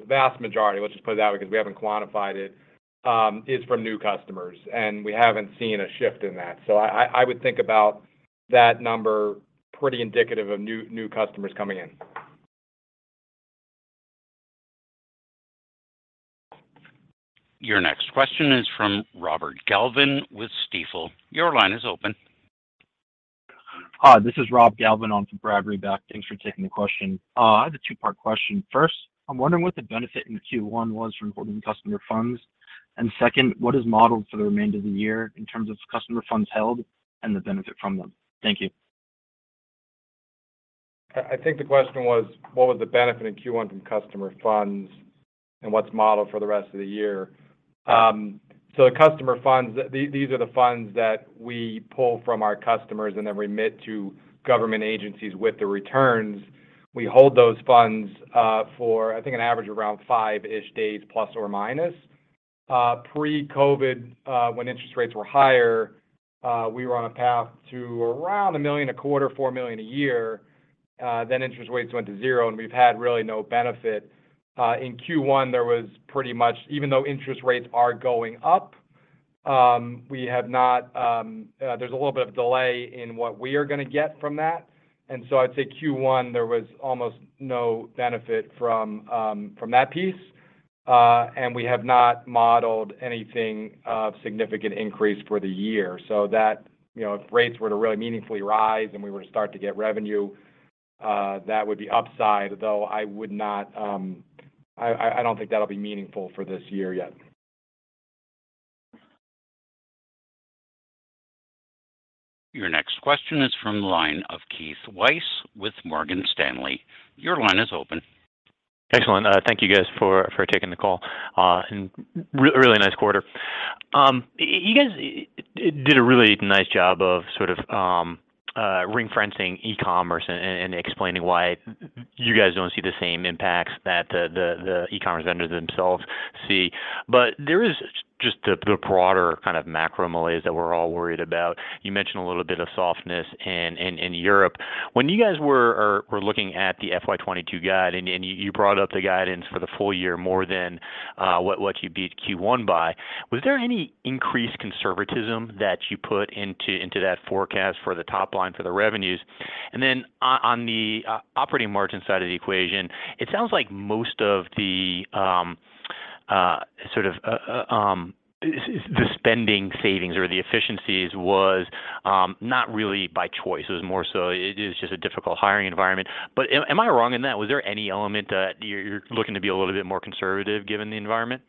vast majority, let's just put it that way because we haven't quantified it is from new customers, and we haven't seen a shift in that. I would think about that number pretty indicative of new customers coming in. Your next question is from Robert Galvin with Stifel. Your line is open. Hi, this is Robert Galvin on for Brad Reback. Thanks for taking the question. I have a two-part question. First, I'm wondering what the benefit in Q1 was from holding customer funds. Second, what is modeled for the remainder of the year in terms of customer funds held and the benefit from them? Thank you. I think the question was, what was the benefit in Q1 from customer funds and what's modeled for the rest of the year? The customer funds, these are the funds that we pull from our customers and then remit to government agencies with the returns. We hold those funds for, I think, an average of around five-ish days, plus or minus. Pre-COVID, when interest rates were higher, we were on a path to around $1 million a quarter, $4 million a year. Then interest rates went to zero, and we've had really no benefit. In Q1, there was pretty much, even though interest rates are going up, there's a little bit of delay in what we are gonna get from that. I'd say Q1, there was almost no benefit from that piece. We have not modeled anything of significant increase for the year. That, you know, if rates were to really meaningfully rise and we were to start to get revenue, that would be upside, though I would not, I don't think that'll be meaningful for this year yet. Your next question is from the line of Keith Weiss with Morgan Stanley. Your line is open. Excellent. Thank you guys for taking the call. Really nice quarter. You guys did a really nice job of sort of ring-fencing e-commerce and explaining why you guys don't see the same impacts that the e-commerce vendors themselves see. There is just the broader kind of macro malaise that we're all worried about. You mentioned a little bit of softness in Europe. When you guys were looking at the FY 2022 guide and you brought up the guidance for the full year more than what you beat Q1 by, was there any increased conservatism that you put into that forecast for the top line for the revenues? On the operating margin side of the equation, it sounds like most of the sort of the spending savings or the efficiencies was not really by choice. It was more so it is just a difficult hiring environment. Am I wrong in that? Was there any element that you're looking to be a little bit more conservative given the environment?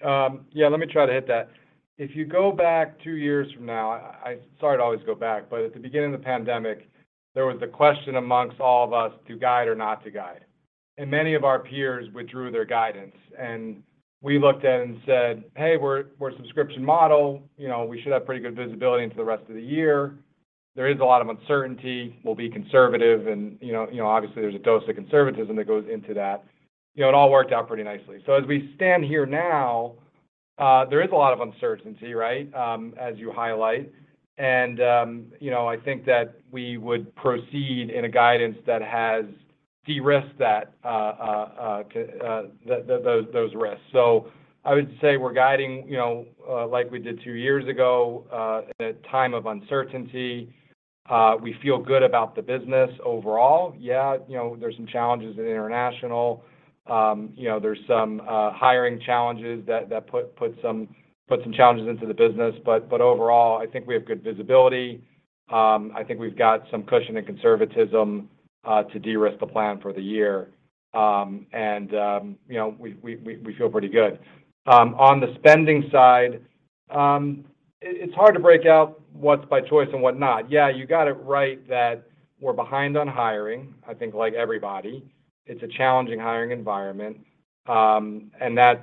Yeah, let me try to hit that. If you go back two years from now, sorry to always go back, but at the beginning of the pandemic, there was the question among all of us to guide or not to guide. Many of our peers withdrew their guidance. We looked at it and said, "Hey, we're a subscription model, you know, we should have pretty good visibility into the rest of the year. There is a lot of uncertainty. We'll be conservative." You know, obviously, there's a dose of conservatism that goes into that. You know, it all worked out pretty nicely. As we stand here now, there is a lot of uncertainty, right? As you highlight. You know, I think that we would proceed in a guidance that has de-risked those risks. I would say we're guiding, you know, like we did two years ago at a time of uncertainty. We feel good about the business overall. Yeah, you know, there's some challenges in international. You know, there's some hiring challenges that put some challenges into the business. Overall, I think we have good visibility. I think we've got some cushion and conservatism to de-risk the plan for the year. You know, we feel pretty good. On the spending side, it's hard to break out what's by choice and what not. Yeah, you got it right that we're behind on hiring, I think like everybody. It's a challenging hiring environment. That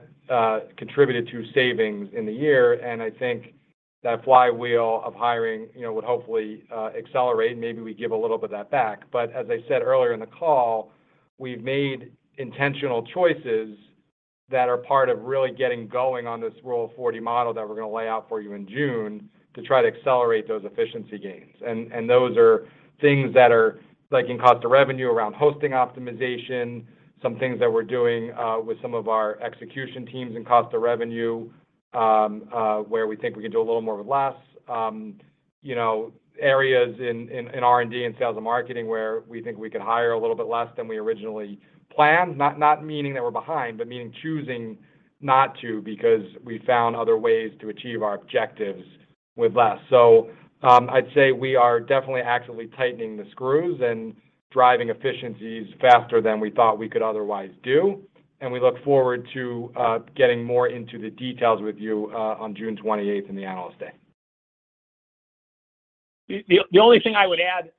contributed to savings in the year. I think that flywheel of hiring, you know, would hopefully accelerate, and maybe we give a little bit of that back. As I said earlier in the call, we've made intentional choices that are part of really getting going on this Rule of 40 model that we're gonna lay out for you in June to try to accelerate those efficiency gains. Those are things that are like in cost of revenue around hosting optimization, some things that we're doing with some of our execution teams in cost of revenue, where we think we can do a little more with less. You know, areas in R&D and sales and marketing where we think we could hire a little bit less than we originally planned, not meaning that we're behind, but meaning choosing not to because we found other ways to achieve our objectives with less. I'd say we are definitely actively tightening the screws and driving efficiencies faster than we thought we could otherwise do, and we look forward to getting more into the details with you on June 28th in the Analyst Day. The only thing I would add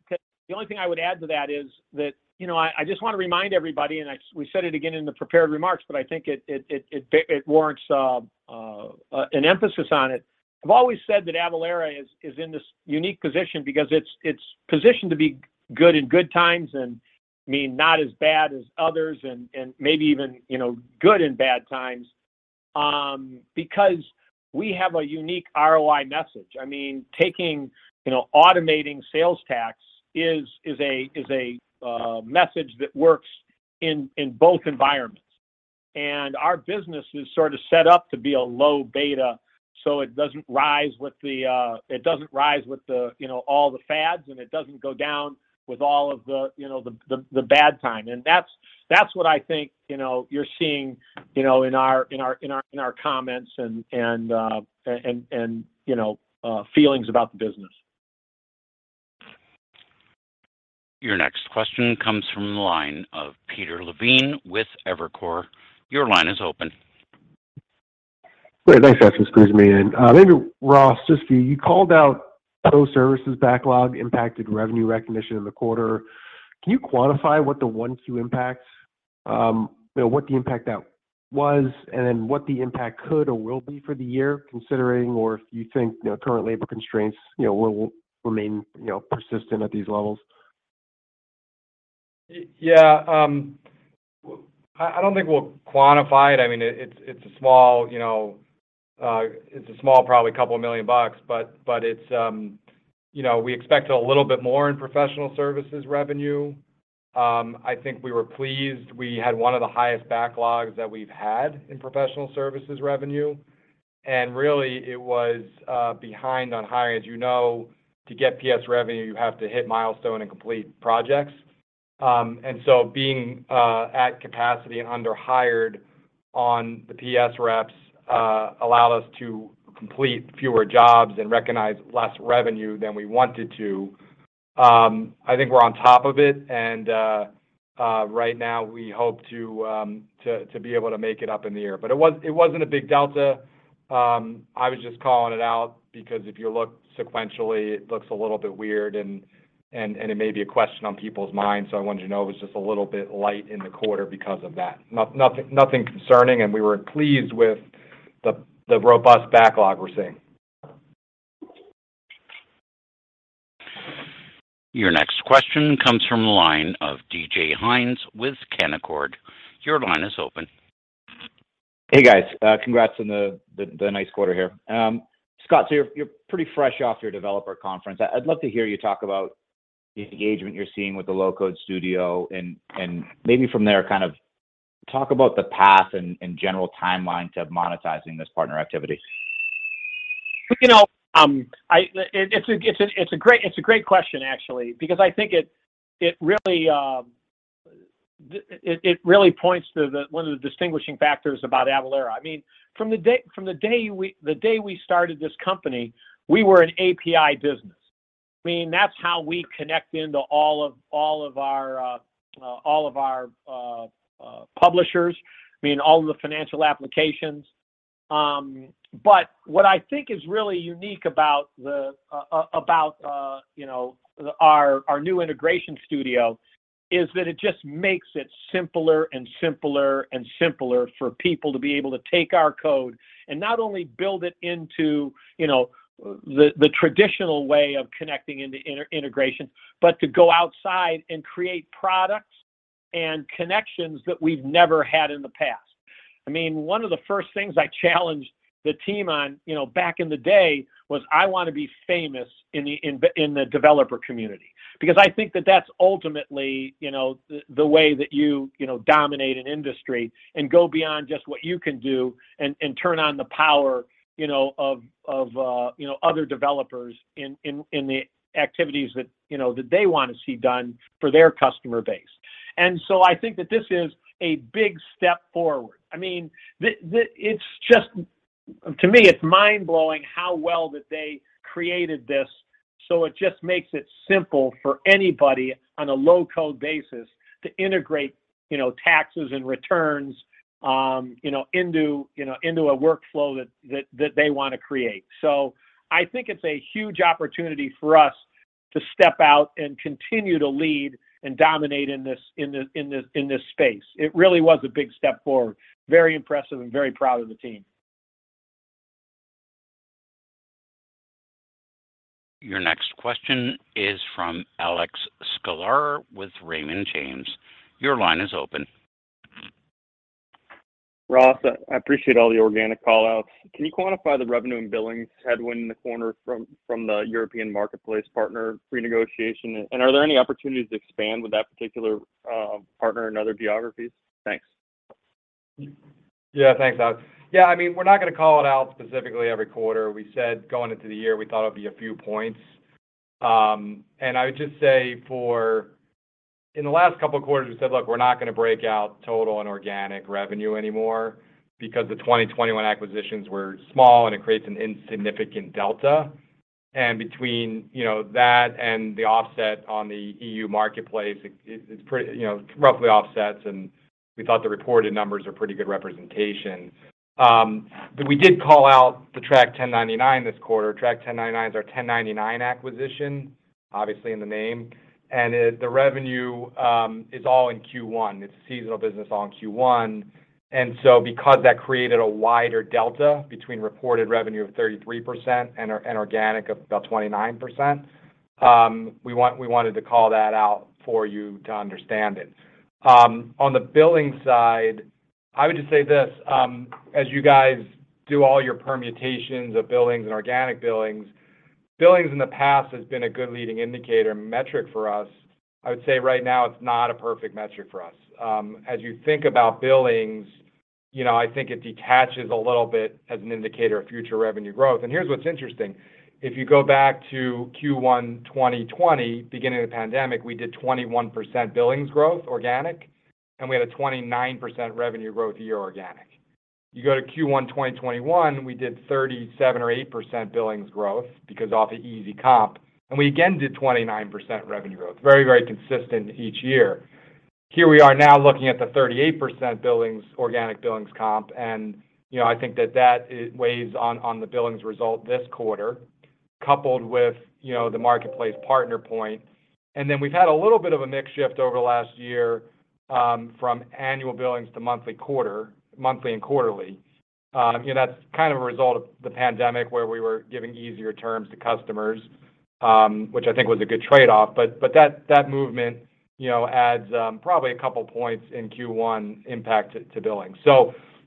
to that is that, you know, I just wanna remind everybody, we said it again in the prepared remarks, but I think it warrants an emphasis on it. I've always said that Avalara is in this unique position because it's positioned to be good in good times, and I mean, not as bad as others and maybe even, you know, good in bad times, because we have a unique ROI message. I mean, you know, automating sales tax is a message that works in both environments. Our business is sort of set up to be a low beta, so it doesn't rise with the. It doesn't rise with the, you know, all the fads, and it doesn't go down with all of the, you know, the bad time. That's what I think, you know, you're seeing, you know, in our comments and you know feelings about the business. Your next question comes from the line of Peter Levine with Evercore. Your line is open. Great. Thanks, maybe Ross, just you called out how services backlog impacted revenue recognition in the quarter. Can you quantify what the one-time impacts, you know, what the impact that was and then what the impact could or will be for the year considering, or if you think, you know, current labor constraints, you know, will remain, you know, persistent at these levels? Yeah. I don't think we'll quantify it. I mean, it's a small, you know, probably $2 million. But it's, you know, we expect a little bit more in professional services revenue. I think we were pleased. We had one of the highest backlogs that we've had in professional services revenue. Really, it was behind on hiring. As you know, to get PS revenue, you have to hit milestones and complete projects. And so being at capacity and underhired on the PS reps allowed us to complete fewer jobs and recognize less revenue than we wanted to. I think we're on top of it, and right now we hope to be able to make it up in the year. It was. It wasn't a big delta. I was just calling it out because if you look sequentially, it looks a little bit weird and it may be a question on people's minds, so I wanted you to know it was just a little bit light in the quarter because of that. Nothing concerning, and we were pleased with the robust backlog we're seeing. Your next question comes from the line of DJ Hynes with Canaccord. Your line is open. Hey, guys. Congrats on the nice quarter here. Scott, you're pretty fresh off your developer conference. I'd love to hear you talk about the engagement you're seeing with the low-code studio and maybe from there, kind of talk about the path and general timeline to monetizing this partner activity. You know, it's a great question actually because I think it really points to one of the distinguishing factors about Avalara. I mean, from the day we started this company, we were an API business. I mean, that's how we connect into all of our publishers. I mean, all of the financial applications. What I think is really unique about the about, you know, our new Integration Studio is that it just makes it simpler and simpler and simpler for people to be able to take our code and not only build it into, you know, the traditional way of connecting into integration, but to go outside and create products and connections that we've never had in the past. I mean, one of the first things I challenged the team on, you know, back in the day, was I wanna be famous in the developer community. Because I think that that's ultimately, you know, the way that you know dominate an industry and go beyond just what you can do and turn on the power, you know, of other developers in the activities that, you know, that they wanna see done for their customer base. I think that this is a big step forward. I mean, it's mind-blowing to me how well that they created this, so it just makes it simple for anybody on a low-code basis to integrate, you know, taxes and returns, you know, into a workflow that they wanna create. I think it's a huge opportunity for us to step out and continue to lead and dominate in this space. It really was a big step forward. Very impressive and very proud of the team. Your next question is from Alex Sklar with Raymond James. Your line is open. Ross, I appreciate all the organic call-outs. Can you quantify the revenue and billings headwind in the quarter from the European marketplace partner renegotiation? Are there any opportunities to expand with that particular partner in other geographies? Thanks. Yeah. Thanks, Alex. Yeah, I mean, we're not gonna call it out specifically every quarter. We said going into the year, we thought it'd be a few points. I would just say, in the last couple of quarters, we said, "Look, we're not gonna break out total and organic revenue anymore," because the 2021 acquisitions were small, and it creates an insignificant delta. Between, you know, that and the offset on the EU marketplace, it's pretty. You know, roughly offsets, and we thought the reported numbers are pretty good representation. But we did call out the Track1099 this quarter. Track1099 is our 1099 acquisition, obviously in the name, and the revenue is all in Q1. It's a seasonal business all in Q1. Because that created a wider delta between reported revenue of 33% and organic of about 29%, we wanted to call that out for you to understand it. On the billings side, I would just say this, as you guys do all your permutations of billings and organic billings in the past has been a good leading indicator metric for us. I would say right now, it's not a perfect metric for us. As you think about billings, you know, I think it detaches a little bit as an indicator of future revenue growth. Here's what's interesting. If you go back to Q1 2020, beginning of the pandemic, we did 21% billings growth organic, and we had a 29% revenue growth year-over-year organic. You go to Q1 2021, we did 37% or 38% billings growth because of easy comp, and we again did 29% revenue growth. Very, very consistent each year. Here we are now looking at the 38% billings, organic billings comp, and, you know, I think that it weighs on the billings result this quarter, coupled with, you know, the marketplace partner point. Then we've had a little bit of a mix shift over the last year from annual billings to monthly and quarterly. You know, that's kind of a result of the pandemic where we were giving easier terms to customers, which I think was a good trade-off. That movement, you know, adds probably a couple points in Q1 impact to billing.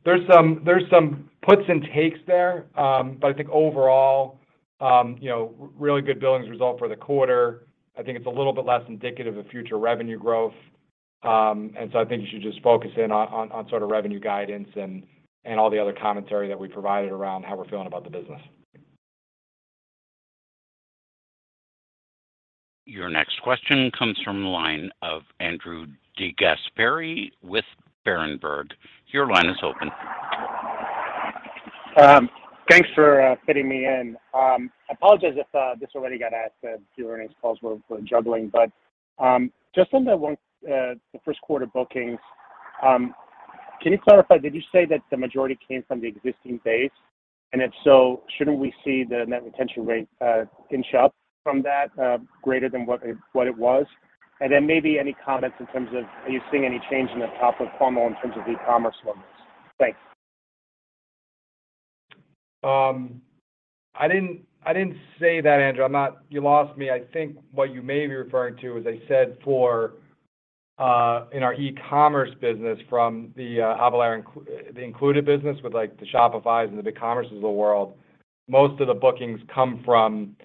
There's some puts and takes there. I think overall, you know, really good billings result for the quarter. I think it's a little bit less indicative of future revenue growth. I think you should just focus in on sort of revenue guidance and all the other commentary that we provided around how we're feeling about the business. Your next question comes from the line of Andrew DeGasperi with Berenberg. Your line is open. Thanks for fitting me in. I apologize if this already got asked at the earnings calls we're juggling. Just on the first quarter bookings, can you clarify, did you say that the majority came from the existing base? And if so, shouldn't we see the net retention rate inch up from that greater than what it was? And then maybe any comments in terms of are you seeing any change in the top of funnel in terms of e-commerce levels? Thanks. I didn't say that, Andrew. You lost me. I think what you may be referring to, as I said, for in our e-commerce business from the Avalara Inc.-the included business with like the Shopifys and the BigCommerce of the world, most of the bookings come from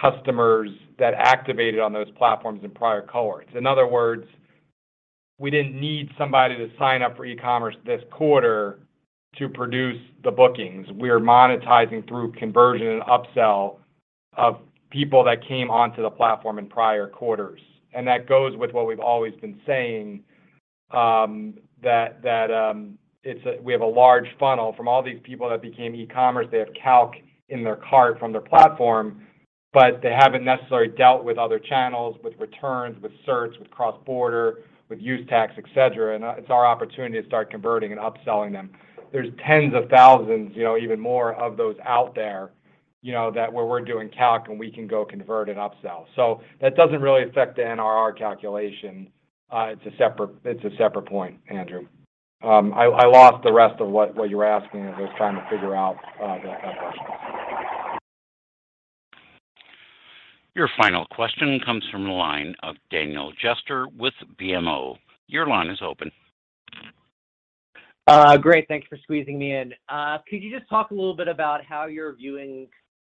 customers that activated on those platforms in prior cohorts. In other words, we didn't need somebody to sign up for e-commerce this quarter to produce the bookings. We're monetizing through conversion and upsell of people that came onto the platform in prior quarters. That goes with what we've always been saying, that we have a large funnel. From all these people that became e-commerce, they have calc in their cart from their platform, but they haven't necessarily dealt with other channels, with returns, with certs, with cross-border, with use tax, et cetera. It's our opportunity to start converting and upselling them. There's tens of thousands, you know, even more of those out there, you know, that where we're doing calc, and we can go convert and upsell. So that doesn't really affect the NRR calculation. It's a separate point, Andrew. I lost the rest of what you were asking as I was trying to figure out that question. Your final question comes from the line of Daniel Jester with BMO. Your line is open. Great. Thank you for squeezing me in. Could you just talk a little bit about how you're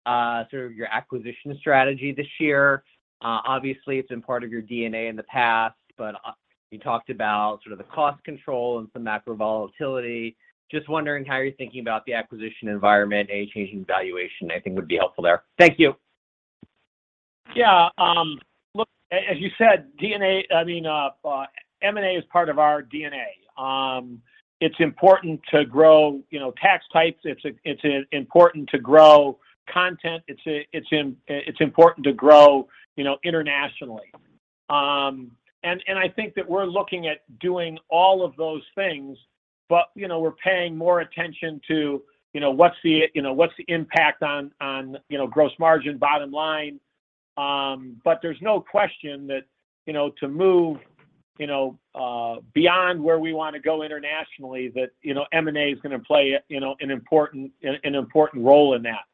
viewing sort of your acquisition strategy this year? Obviously, it's been part of your DNA in the past, but you talked about sort of the cost control and some macro volatility. Just wondering how you're thinking about the acquisition environment. Any change in valuation, I think, would be helpful there. Thank you. Yeah. Look, as you said, I mean, M&A is part of our DNA. It's important to grow, you know, tax types. It's important to grow content. It's important to grow, you know, internationally. And I think that we're looking at doing all of those things, but, you know, we're paying more attention to, you know, what's the impact on, you know, gross margin bottom line. But there's no question that, you know, to move, you know, beyond where we wanna go internationally, that, you know, M&A is gonna play, you know, an important role in that.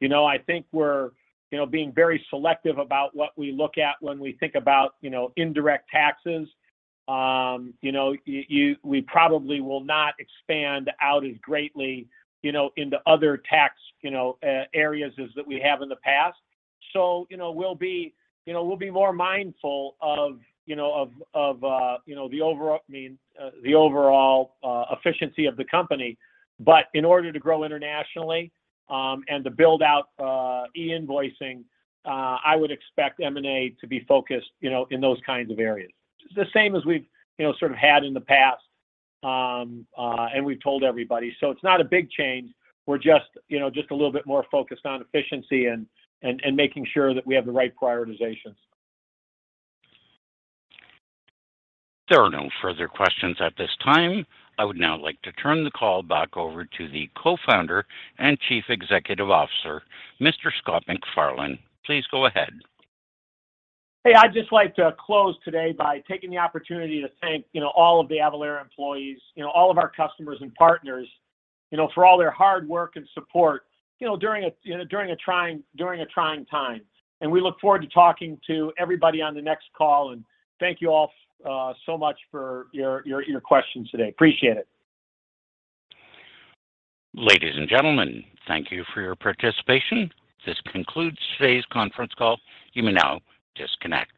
You know, I think we're, you know, being very selective about what we look at when we think about, you know, indirect taxes. We probably will not expand out as greatly, you know, into other tax, you know, areas as that we have in the past. You know, we'll be more mindful of, you know, of the overall efficiency of the company. In order to grow internationally and to build out e-invoicing, I would expect M&A to be focused, you know, in those kinds of areas. The same as we've, you know, sort of had in the past and we've told everybody, so it's not a big change. We're just, you know, a little bit more focused on efficiency and making sure that we have the right prioritizations. There are no further questions at this time. I would now like to turn the call back over to the Co-founder and Chief Executive Officer, Mr. Scott McFarlane. Please go ahead. Hey, I'd just like to close today by taking the opportunity to thank, you know, all of the Avalara employees, you know, all of our customers and partners, you know, for all their hard work and support, you know, during a trying time. We look forward to talking to everybody on the next call, and thank you all so much for your questions today. Appreciate it. Ladies and gentlemen, thank you for your participation. This concludes today's conference call. You may now disconnect.